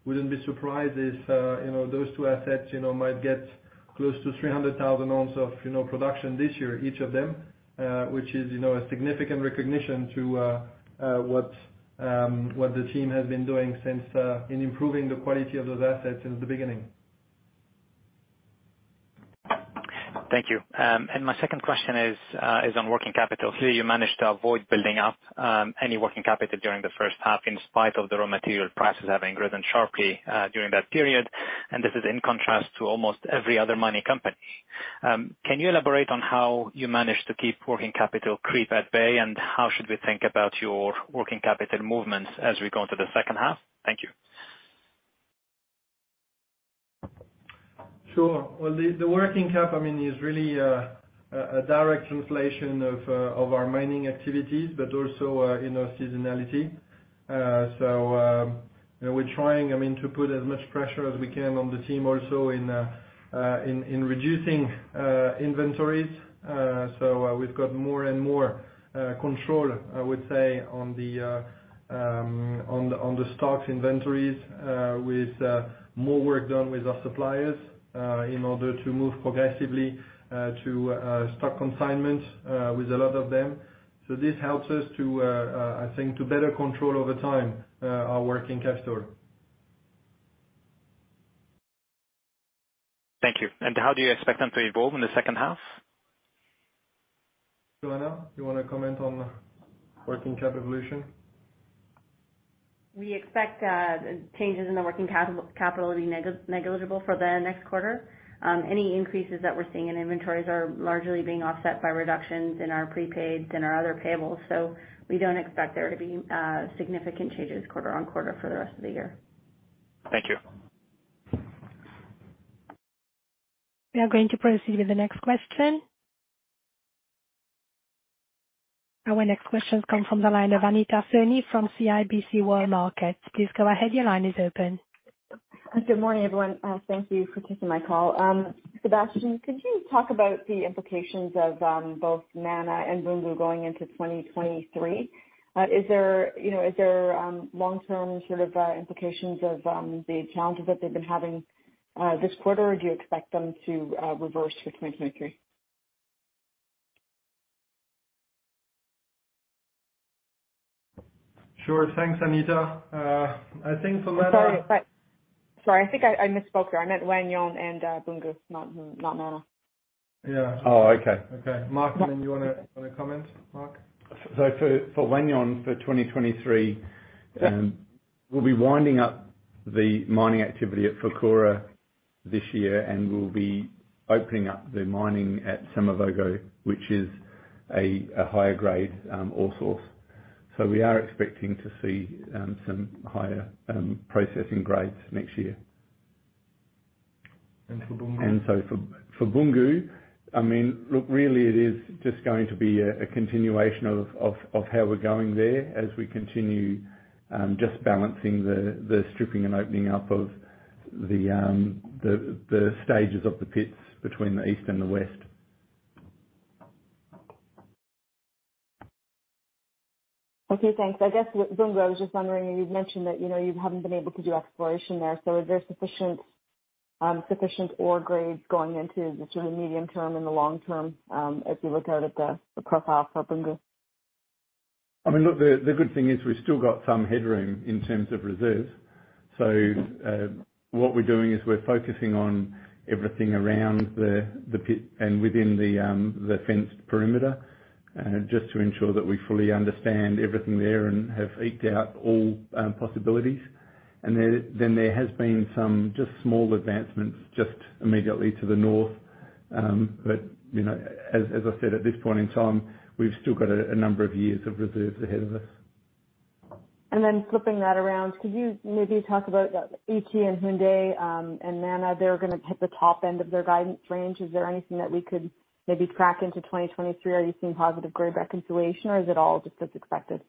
Wouldn't be surprised if, you know, those two assets, you know, might get close to 300,000 ounces of, you know, production this year, each of them, which is, you know, a significant recognition to what the team has been doing since in improving the quality of those assets since the beginning. Thank you. My second question is on working capital. Here, you managed to avoid building up any working capital during the H1 in spite of the raw material prices having risen sharply during that period, and this is in contrast to almost every other mining company. Can you elaborate on how you managed to keep working capital creep at bay, and how should we think about your working capital movements as we go into the H2? Thank you. Sure. Well, the working cap, I mean, is really a direct translation of our mining activities, but also, you know, seasonality. You know, we're trying, I mean, to put as much pressure as we can on the team also in reducing inventories. We've got more and more control, I would say, on the stock inventories with more work done with our suppliers in order to move progressively to consignment stock with a lot of them. This helps us, I think, to better control over time our working capital. Thank you. How do you expect them to evolve in the H2? Joanna, you wanna comment on working cap evolution? We expect changes in the working capital to be negligible for the next quarter. Any increases that we're seeing in inventories are largely being offset by reductions in our prepaids and our other payables. We don't expect there to be significant changes quarter on quarter for the rest of the year. Thank you. We are going to proceed with the next question. Our next question comes from the line of Anita Soni from CIBC World Markets. Please go ahead. Your line is open. Good morning, everyone. Thank you for taking my call. Sébastien, could you talk about the implications of both Mana and Boungou going into 2023? Is there, you know, long-term sort of implications of the challenges that they've been having this quarter, or do you expect them to reverse for 2023? Sure. Thanks, Anita. I think for Mana. Sorry, but sorry, I think I misspoke there. I meant Wahgnion and Boungou, not Mana. Yeah. Oh, okay. Okay. Mark, you wanna comment? Mark? For Wahgnion for 2023, we'll be winding up the mining activity at Fourkoura this year, and we'll be opening up the mining at Samavogo, which is a higher grade ore source. We are expecting to see some higher processing grades next year. For Boungou? For Boungou, I mean, look, really it is just going to be a continuation of how we're going there as we continue just balancing the stripping and opening up of the stages of the pits between the east and the west. Okay, thanks. I guess with Boungou, I was just wondering, you'd mentioned that, you know, you haven't been able to do exploration there. Is there sufficient ore grades going into the sort of medium term and the long term, as we look out at the profile for Boungou? I mean, look, the good thing is we've still got some headroom in terms of reserves. What we're doing is we're focusing on everything around the pit and within the fenced perimeter, just to ensure that we fully understand everything there and have eked out all possibilities. Then there has been some just small advancements just immediately to the north. You know, as I said, at this point in time, we've still got a number of years of reserves ahead of us. Flipping that around, could you maybe talk about Ity and Houndé, and Mana? They're gonna hit the top end of their guidance range. Is there anything that we could maybe carry into 2023? Are you seeing positive grade reconciliation or is it all just as expected?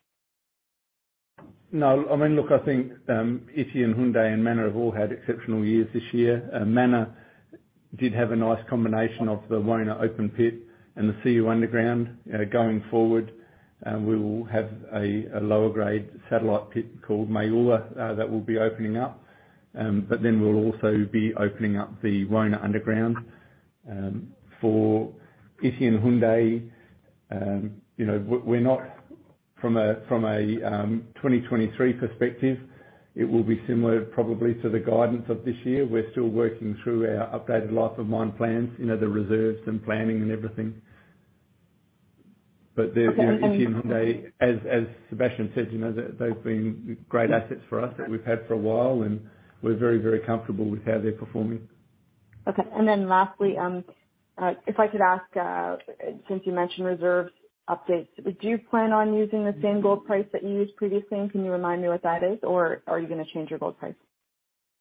No. I mean, look, I think, Ity and Houndé and Mana have all had exceptional years this year. Mana did have a nice combination of the Wona open pit and the Siou underground. Going forward, we will have a lower grade satellite pit called Maoula that we'll be opening up. We'll also be opening up the Wona underground. For Ity and Houndé, you know, from a 2023 perspective, it will be similar probably to the guidance of this year. We're still working through our updated life of mine plans, you know, the reserves and planning and everything. They're, you know, if you as Sébastien said, you know, they've been great assets for us that we've had for a while, and we're very, very comfortable with how they're performing. Okay. Lastly, if I could ask, since you mentioned reserves updates, do you plan on using the same gold price that you used previously? Can you remind me what that is, or are you gonna change your gold price?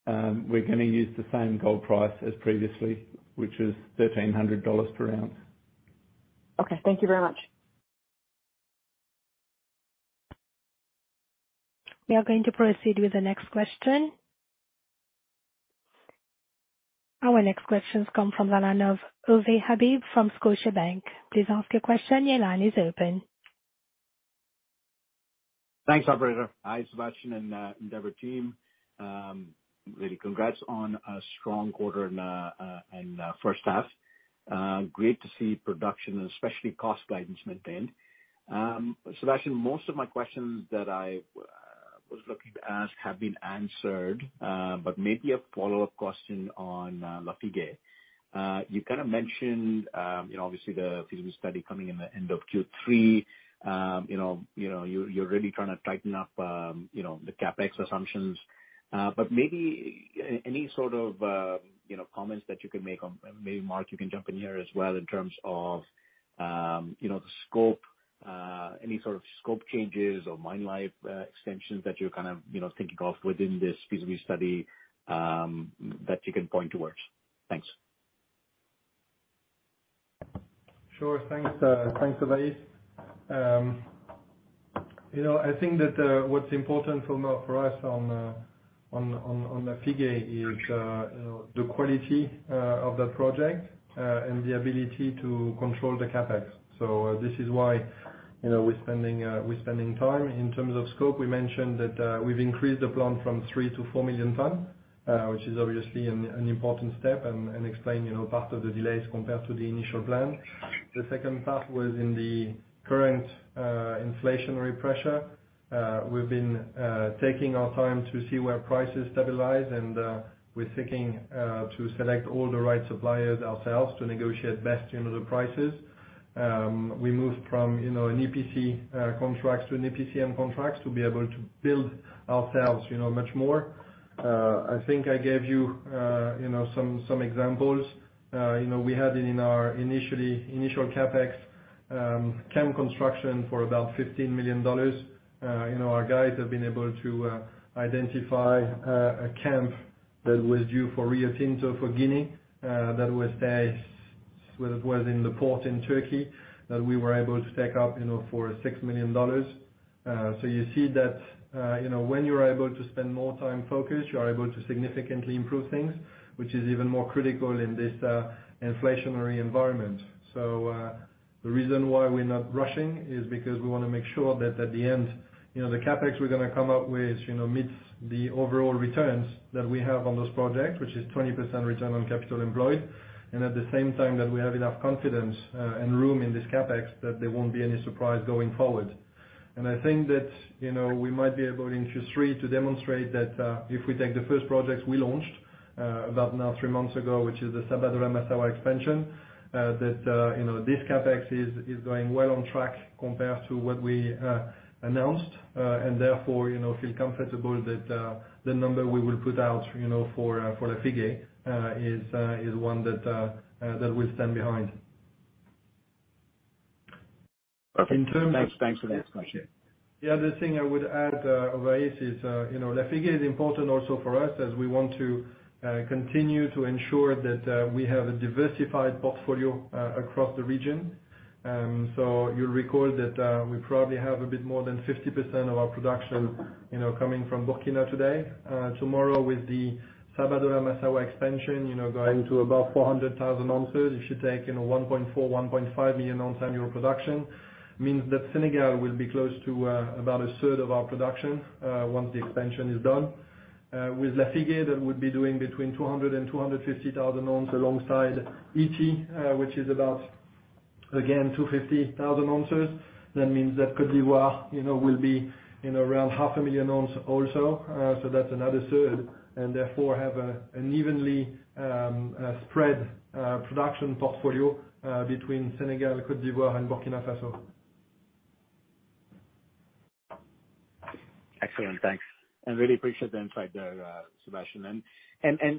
We're gonna use the same gold price as previously, which is $1,300 per ounce. Okay. Thank you very much. We are going to proceed with the next question. Our next question comes from the line of Ovais Habib from Scotiabank. Please ask your question. Your line is open. Thanks, operator. Hi, Sébastien and, Endeavour team. Really congrats on a strong quarter and H1. Great to see production, especially cost guidance maintained. Sébastien, most of my questions that I was looking to ask have been answered, but maybe a follow-up question on Lafigué. You kinda mentioned, you know, obviously the feasibility study coming in the end of Q3. You know, you're really trying to tighten up, you know, the CapEx assumptions. Maybe any sort of, you know, comments that you can make on, maybe Mark, you can jump in here as well, in terms of, you know, the scope, any sort of scope changes or mine life, extensions that you're kind of, you know, thinking of within this feasibility study, that you can point towards. Thanks. Sure. Thanks, Ovais. You know, I think that what's important for us on Lafigué is you know, the quality of that project and the ability to control the CapEx. This is why you know, we're spending time. In terms of scope, we mentioned that we've increased the plan from three to four million ton, which is obviously an important step and explain you know part of the delays compared to the initial plan. The second part was in the current inflationary pressure. We've been taking our time to see where prices stabilize, and we're seeking to select all the right suppliers ourselves to negotiate best you know, the prices. We moved from, you know, an EPC contract to an EPCM contract to be able to build ourselves, you know, much more. I think I gave you know, some examples. We had in our initial CapEx camp construction for about $15 million. Our guys have been able to identify a camp that was due for Rio Tinto for Guinea that was in the port in Turkey that we were able to take up, you know, for $6 million. You see that, you know, when you are able to spend more time focused, you are able to significantly improve things, which is even more critical in this inflationary environment. The reason why we're not rushing is because we wanna make sure that at the end, you know, the CapEx we're gonna come up with, you know, meets the overall returns that we have on those projects, which is 20% return on capital employed. At the same time, that we have enough confidence and room in this CapEx that there won't be any surprise going forward. I think that, you know, we might be able in Q3 to demonstrate that, if we take the first projects we launched, about now three months ago, which is the Sabodala-Massawa expansion, that, you know, this CapEx is going well on track compared to what we announced. Therefore, you know, feel comfortable that the number we will put out, you know, for Lafigué, is one that we stand behind. Okay. Thanks. Thanks for that question. The other thing I would add, Ovais, is, you know, Lafigué is important also for us as we want to continue to ensure that we have a diversified portfolio across the region. You'll recall that we probably have a bit more than 50% of our production, you know, coming from Burkina today. Tomorrow, with the Sabodala-Massawa expansion, you know, going to about 400,000 ounces, it should take, you know, 1.4-1.5 million ounce annual production, means that Senegal will be close to about a third of our production once the expansion is done. With Lafigué, that would be doing between 200 and 250 thousand ounces alongside Ity, which is about, again, 250 thousand ounces. That means that Côte d'Ivoire, you know, will be, you know, around half a million ounce also. That's another third, and therefore have an evenly spread production portfolio between Senegal, Côte d'Ivoire and Burkina Faso. Excellent. Thanks. I really appreciate the insight there, Sébastien.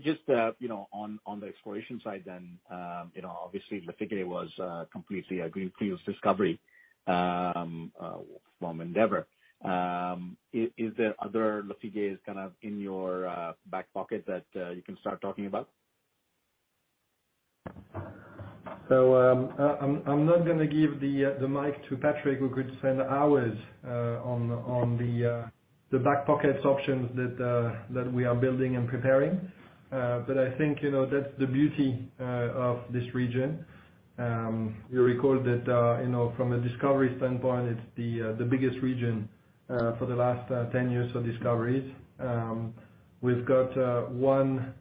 Just, you know, on the exploration side then, you know, obviously Lafigué was completely a greenfield discovery from Endeavour. Is there other Lafigués kind of in your back pocket that you can start talking about? I'm not gonna give the mic to Patrick, who could spend hours on the back pocket options that we are building and preparing. I think, you know, that's the beauty of this region. You'll recall that, you know, from a discovery standpoint, it's the biggest region for the last 10 years of discoveries. We've got one,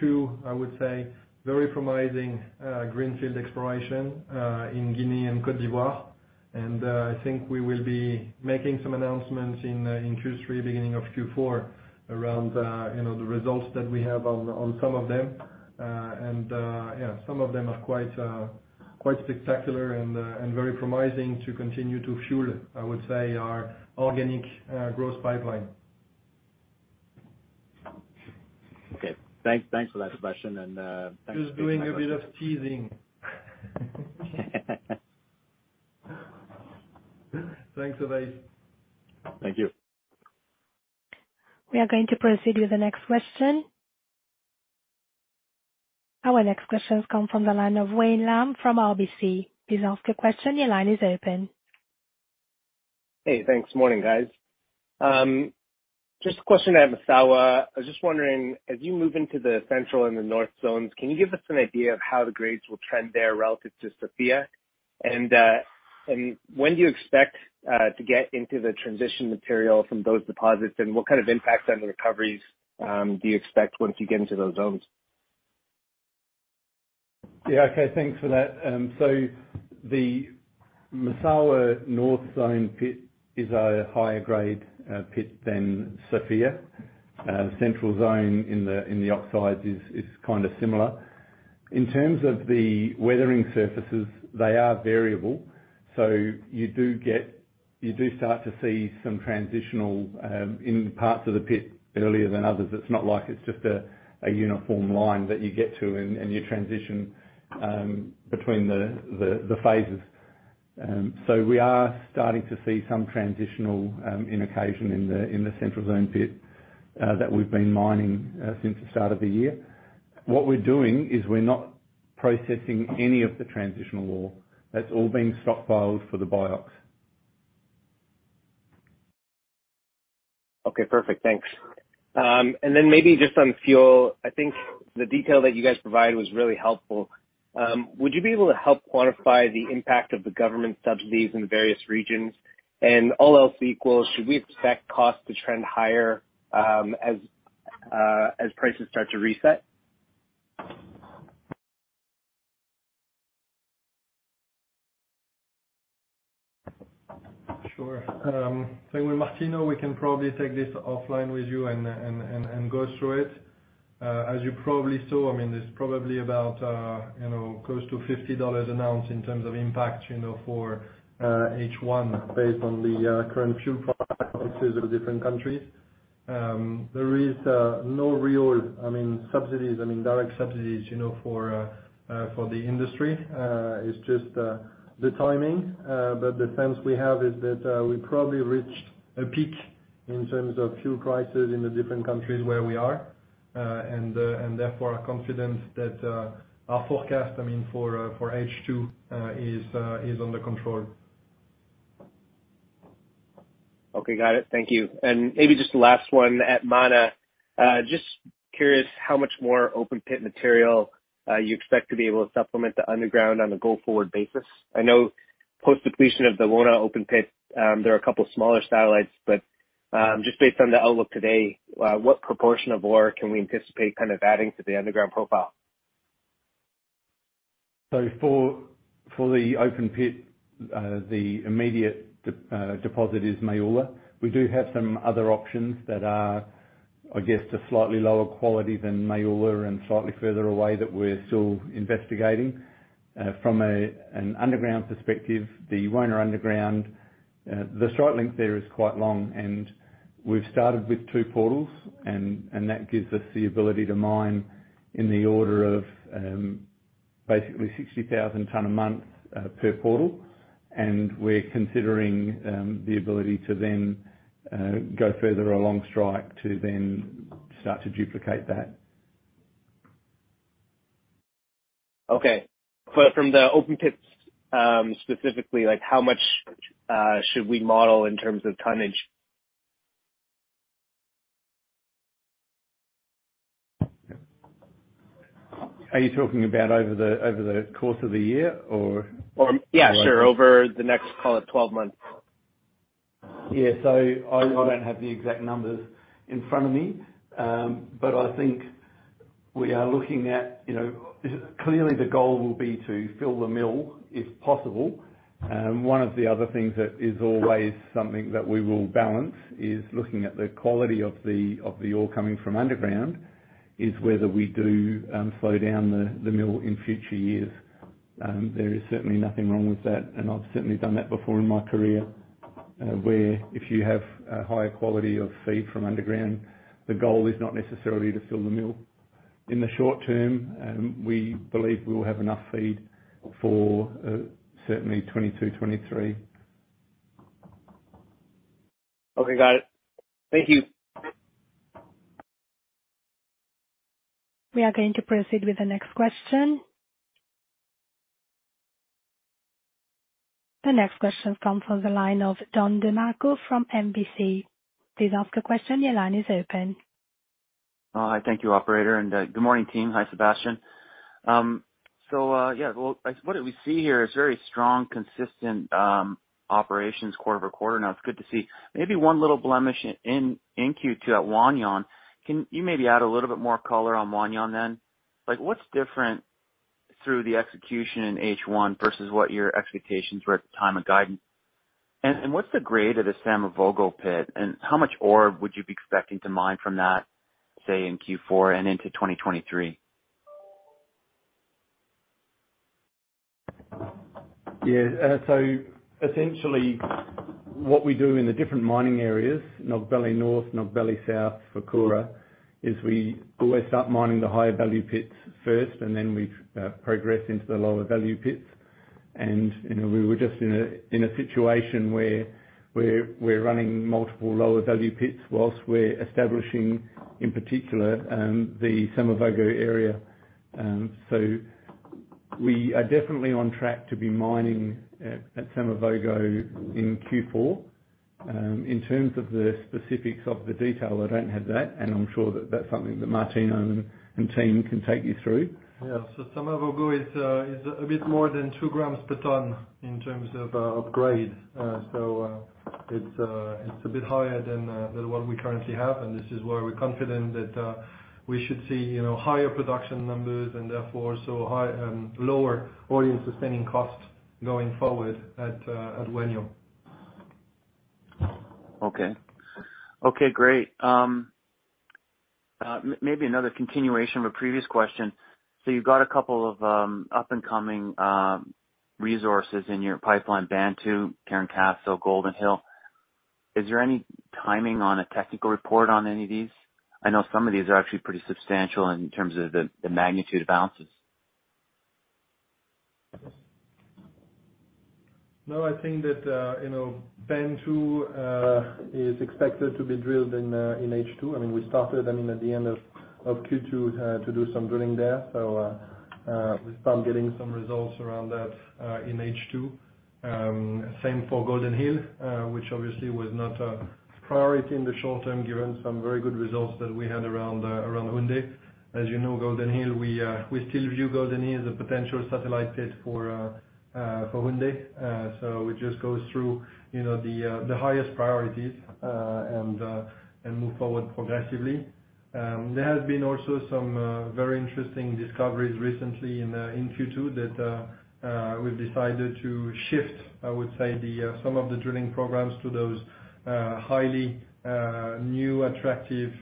two, I would say, very promising greenfield exploration in Guinea and Côte d'Ivoire. I think we will be making some announcements in Q3, beginning of Q4 around, you know, the results that we have on some of them. Yeah, some of them are quite spectacular and very promising to continue to fuel, I would say, our organic growth pipeline. Okay. Thanks for that question and Just doing a bit of teasing. Thanks, Ovais. Thank you. We are going to proceed with the next question. Our next question comes from the line of Wayne Lam from RBC. Please ask your question. Your line is open. Hey, thanks. Morning, guys. Just a question at Massawa. I was just wondering, as you move into the central and the north zones, can you give us an idea of how the grades will trend there relative to Sofia? And when do you expect to get into the transition material from those deposits? And what kind of impact on the recoveries do you expect once you get into those zones? Yeah. Okay. Thanks for that. The Massawa North Zone pit is a higher grade pit than Sofia. Central zone in the oxides is kind of similar. In terms of the weathering surfaces, they are variable. You start to see some transitional in parts of the pit earlier than others. It's not like it's just a uniform line that you get to and you transition between the phases. We are starting to see some transitional indication in the central zone pit that we've been mining since the start of the year. What we're doing is we're not processing any of the transitional ore. That's all being stockpiled for the BIOX. Okay, perfect. Thanks. Maybe just on fuel. I think the detail that you guys provided was really helpful. Would you be able to help quantify the impact of the government subsidies in the various regions? All else equal, should we expect costs to trend higher as prices start to reset? Sure. With Martino, we can probably take this offline with you and go through it. As you probably saw, I mean, there's probably about, you know, close to $50 an ounce in terms of impact, you know, for H1 based on the current fuel prices of the different countries. There is no real, I mean, subsidies, I mean, direct subsidies, you know, for the industry. It's just the timing. But the sense we have is that we probably reached a peak in terms of fuel prices in the different countries where we are. Therefore, we are confident that our forecast, I mean, for H2, is under control. Okay. Got it. Thank you. Maybe just the last one at Mana. Just curious how much more open pit material you expect to be able to supplement the underground on a go-forward basis. I know post-depletion of the Wona open pit, there are a couple of smaller satellites. Just based on the outlook today, what proportion of ore can we anticipate kind of adding to the underground profile? For the open pit, the immediate deposit is Maoula. We do have some other options that are, I guess, just slightly lower quality than Maoula and slightly further away that we're still investigating. From an underground perspective, the Wona underground, the strike length there is quite long, and we've started with two portals. That gives us the ability to mine in the order of, basically 60,000 tons a month per portal. We're considering the ability to then go further along strike to then start to duplicate that. Okay. From the open pits, specifically, like how much should we model in terms of tonnage? Are you talking about over the course of the year or? Yeah, sure. Over the next, call it, 12 months. I don't have the exact numbers in front of me. But I think we are looking at, you know, clearly, the goal will be to fill the mill if possible. One of the other things that is always something that we will balance is looking at the quality of the ore coming from underground, is whether we do slow down the mill in future years. There is certainly nothing wrong with that, and I've certainly done that before in my career, where if you have a higher quality of feed from underground, the goal is not necessarily to fill the mill. In the short term, we believe we'll have enough feed for certainly 2022, 2023. Okay, got it. Thank you. We are going to proceed with the next question. The next question comes from the line of Don DeMarco from National Bank Financial. Please ask your question. Your line is open. Oh, hi. Thank you, operator, and good morning, team. Hi, Sébastien. So, yeah, well, what did we see here is very strong, consistent operations quarter-over-quarter. Now, it's good to see maybe one little blemish in Q2 at Wahgnion. Can you maybe add a little bit more color on Wahgnion then? Like, what's different through the execution in H1 versus what your expectations were at the time of guidance? And what's the grade of the Samavogo pit, and how much ore would you be expecting to mine from that, say, in Q4 and into 2023? Yeah. Essentially what we do in the different mining areas, Nogbele North, Nogbele South, Fourkoura, is we always start mining the higher value pits first, and then we progress into the lower value pits. You know, we were just in a situation where we're running multiple lower value pits while we're establishing, in particular, the Samavogo area. We are definitely on track to be mining at Samavogo in Q4. In terms of the specifics of the detail, I don't have that, and I'm sure that that's something that Martino and team can take you through. Samavogo is a bit more than two grams per ton in terms of grade. It's a bit higher than what we currently have, and this is why we're confident that we should see, you know, higher production numbers and therefore lower all-in sustaining costs going forward at Wahgnion. Okay. Okay, great. Maybe another continuation of a previous question. You've got a couple of up-and-coming resources in your pipeline: Bantou, Karan Castle, Golden Hill. Is there any timing on a technical report on any of these? I know some of these are actually pretty substantial in terms of the magnitude of ounces. No, I think that, you know, Bantou is expected to be drilled in H2. I mean, at the end of Q2 to do some drilling there. We start getting some results around that in H2. Same for Golden Hill, which obviously was not a priority in the short term, given some very good results that we had around Houndé. As you know, Golden Hill, we still view Golden Hill as a potential satellite pit for Houndé. It just goes through, you know, the highest priorities and move forward progressively. There have been also some very interesting discoveries recently in Q2 that we've decided to shift, I would say, some of the drilling programs to those highly new attractive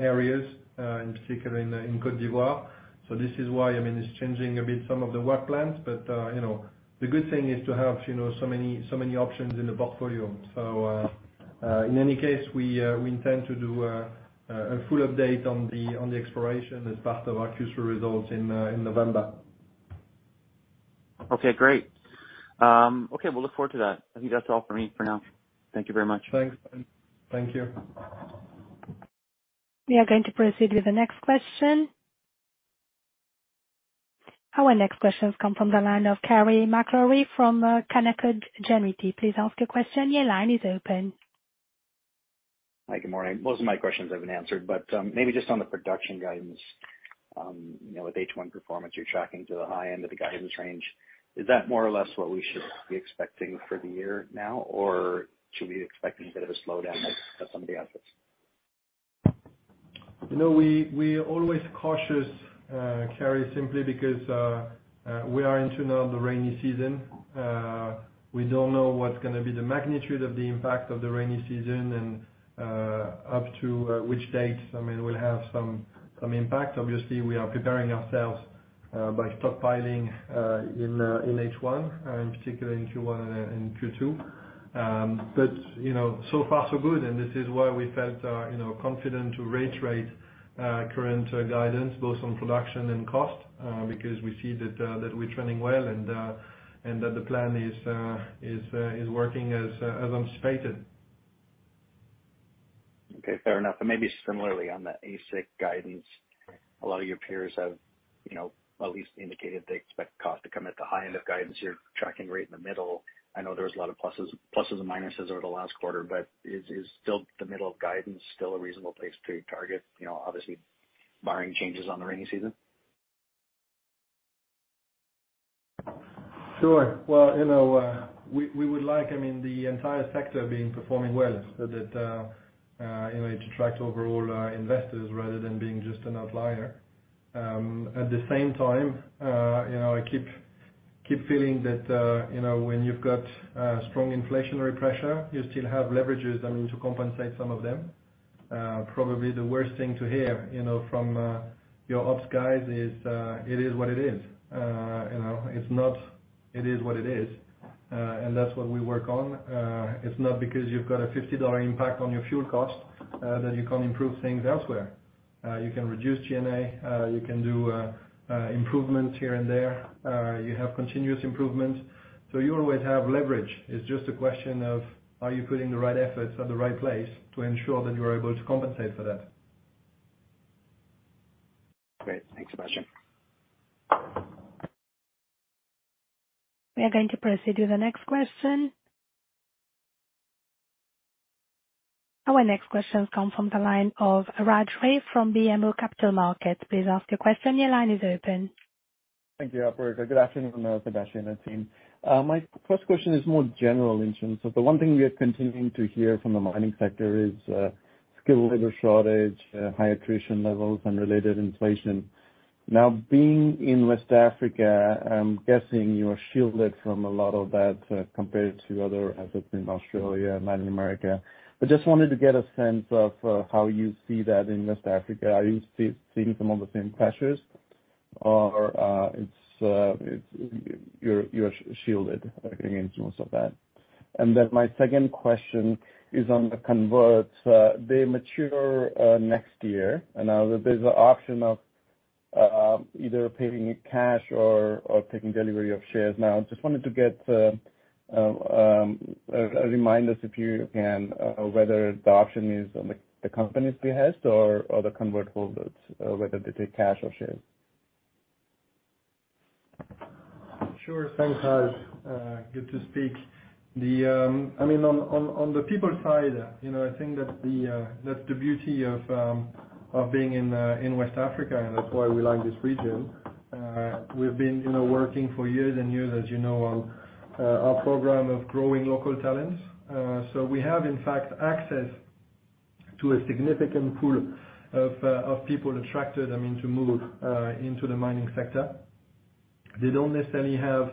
areas in particular in Côte d'Ivoire. This is why, I mean, it's changing a bit some of the work plans, but you know, the good thing is to have you know, so many options in the portfolio. In any case, we intend to do a full update on the exploration as part of our future results in November. Okay, great. Okay, we'll look forward to that. I think that's all for me for now. Thank you very much. Thanks. Thank you. We are going to proceed with the next question. Our next question has come from the line of Carey MacRury from Canaccord Genuity. Please ask your question. Your line is open. Hi, good morning. Most of my questions have been answered, but, maybe just on the production guidance, you know, with H1 performance, you're tracking to the high end of the guidance range. Is that more or less what we should be expecting for the year now, or should we be expecting a bit of a slowdown at some of the assets? You know, we are always cautious, Carey, simply because we are into now the rainy season. We don't know what's gonna be the magnitude of the impact of the rainy season and up to which date, I mean, we'll have some impact. Obviously, we are preparing ourselves by stockpiling in H1, in particular in Q1 and in Q2. You know, so far so good, and this is why we felt confident to reiterate current guidance both on production and cost because we see that we're trending well, and that the plan is working as anticipated. Okay, fair enough. Maybe similarly on the AISC guidance, a lot of your peers have, you know, at least indicated they expect cost to come at the high end of guidance. You're tracking right in the middle. I know there was a lot of pluses and minuses over the last quarter, but is still the middle of guidance still a reasonable place to target, you know, obviously barring changes on the rainy season? Sure. Well, you know, we would like, I mean, the entire sector being performing well so that, you know, it attracts overall, investors rather than being just an outlier. At the same time, you know, I keep feeling that, you know, when you've got, strong inflationary pressure, you still have leverages, I mean, to compensate some of them. Probably the worst thing to hear, you know, from, your ops guys is, it is what it is. You know, it's not it is what it is. That's what we work on. It's not because you've got a $50 impact on your fuel cost, that you can't improve things elsewhere. You can reduce G&A. You can do improvements here and there. You have continuous improvements. You always have leverage. It's just a question of, are you putting the right efforts at the right place to ensure that you are able to compensate for that? Great. Thanks, Sébastien. We are going to proceed to the next question. Our next question comes from the line of Raj Ray from BMO Capital Markets. Please ask your question. Your line is open. Thank you, operator. Good afternoon, Sébastien and team. My first question is more general in terms of the one thing we are continuing to hear from the mining sector is skilled labor shortage, high attrition levels and related inflation. Now, being in West Africa, I'm guessing you are shielded from a lot of that compared to other assets in Australia, Latin America. I just wanted to get a sense of how you see that in West Africa. Are you seeing some of the same pressures or is it you're shielded against most of that? My second question is on the converts. They mature next year, and now there's an option of either paying cash or taking delivery of shares. Now, just wanted to get a reminder if you can, whether the option is on the company's behest or the convert holders, whether they take cash or shares. Sure. Thanks, Raj. Good to speak. I mean, on the people side, you know, I think that that's the beauty of being in West Africa, and that's why we like this region. We've been, you know, working for years and years, as you know, on our program of growing local talent. So we have, in fact, access to a significant pool of people attracted, I mean, to move into the mining sector. They don't necessarily have,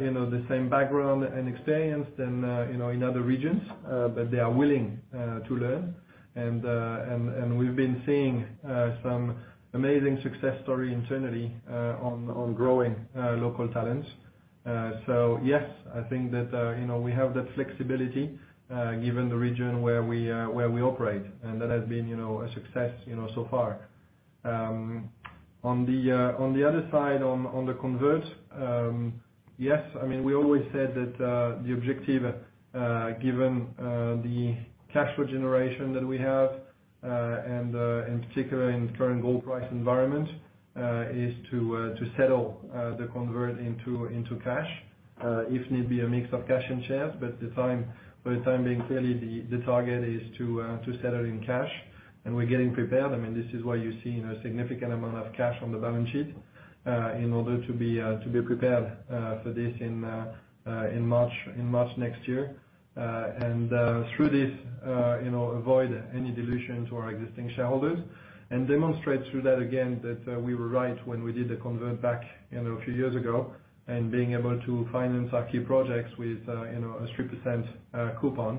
you know, the same background and experience than you know, in other regions, but they are willing to learn. We've been seeing some amazing success story internally, on growing local talents. Yes, I think that, you know, we have that flexibility, given the region where we operate, and that has been, you know, a success, you know, so far. On the other side, on the convert, yes, I mean, we always said that the objective, given the cash flow generation that we have, and in particular, in the current gold price environment, is to settle the convert into cash, if need be a mix of cash and shares. For the time being, clearly the target is to settle in cash. We're getting prepared. I mean, this is why you're seeing a significant amount of cash on the balance sheet, in order to be prepared for this in March next year. Through this, you know, avoid any dilution to our existing shareholders and demonstrate through that again that we were right when we did the convertible, you know, a few years ago, and being able to finance our key projects with, you know, a 3% coupon,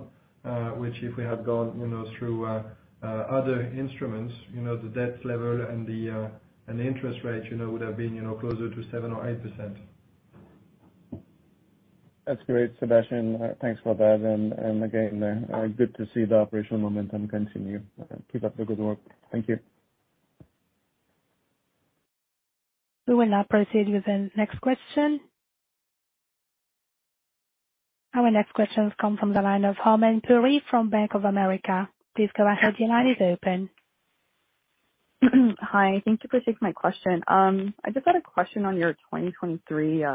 which if we had gone, you know, through other instruments, you know, the debt level and the interest rate, you know, would have been closer to 7% or 8%. That's great, Sébastien. Thanks for that. Again, good to see the operational momentum continue. Keep up the good work. Thank you. We will now proceed with the next question. Our next question comes from the line of Harmen Puri from Bank of America. Please go ahead. Your line is open. Hi. Thank you for taking my question. I just had a question on your 2023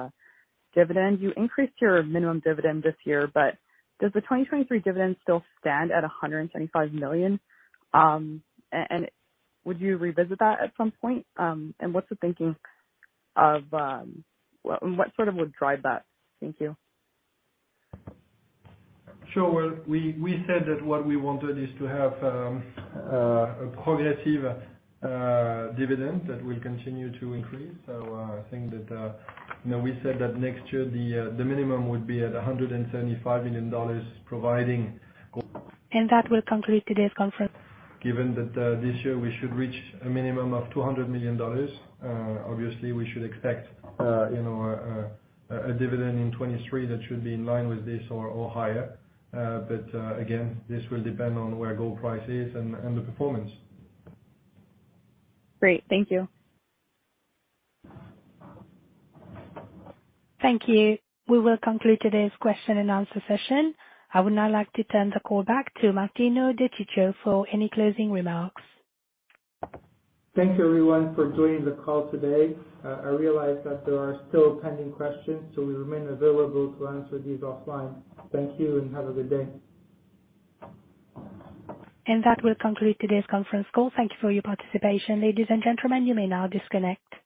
dividend. You increased your minimum dividend this year, but does the 2023 dividend still stand at $125 million? Would you revisit that at some point? What sort of would drive that? Thank you. Sure. Well, we said that what we wanted is to have a progressive dividend that will continue to increase. I think that, you know, we said that next year the minimum would be at $175 million, providing- That will conclude today's conference. Given that, this year we should reach a minimum of $200 million, obviously we should expect, you know, a dividend in 2023 that should be in line with this or higher. Again, this will depend on where gold price is and the performance. Great. Thank you. Thank you. We will conclude today's question and answer session. I would now like to turn the call back to Martino De Ciccio for any closing remarks. Thank you everyone for joining the call today. I realize that there are still pending questions, so we remain available to answer these offline. Thank you, and have a good day. That will conclude today's conference call. Thank you for your participation. Ladies and gentlemen, you may now disconnect.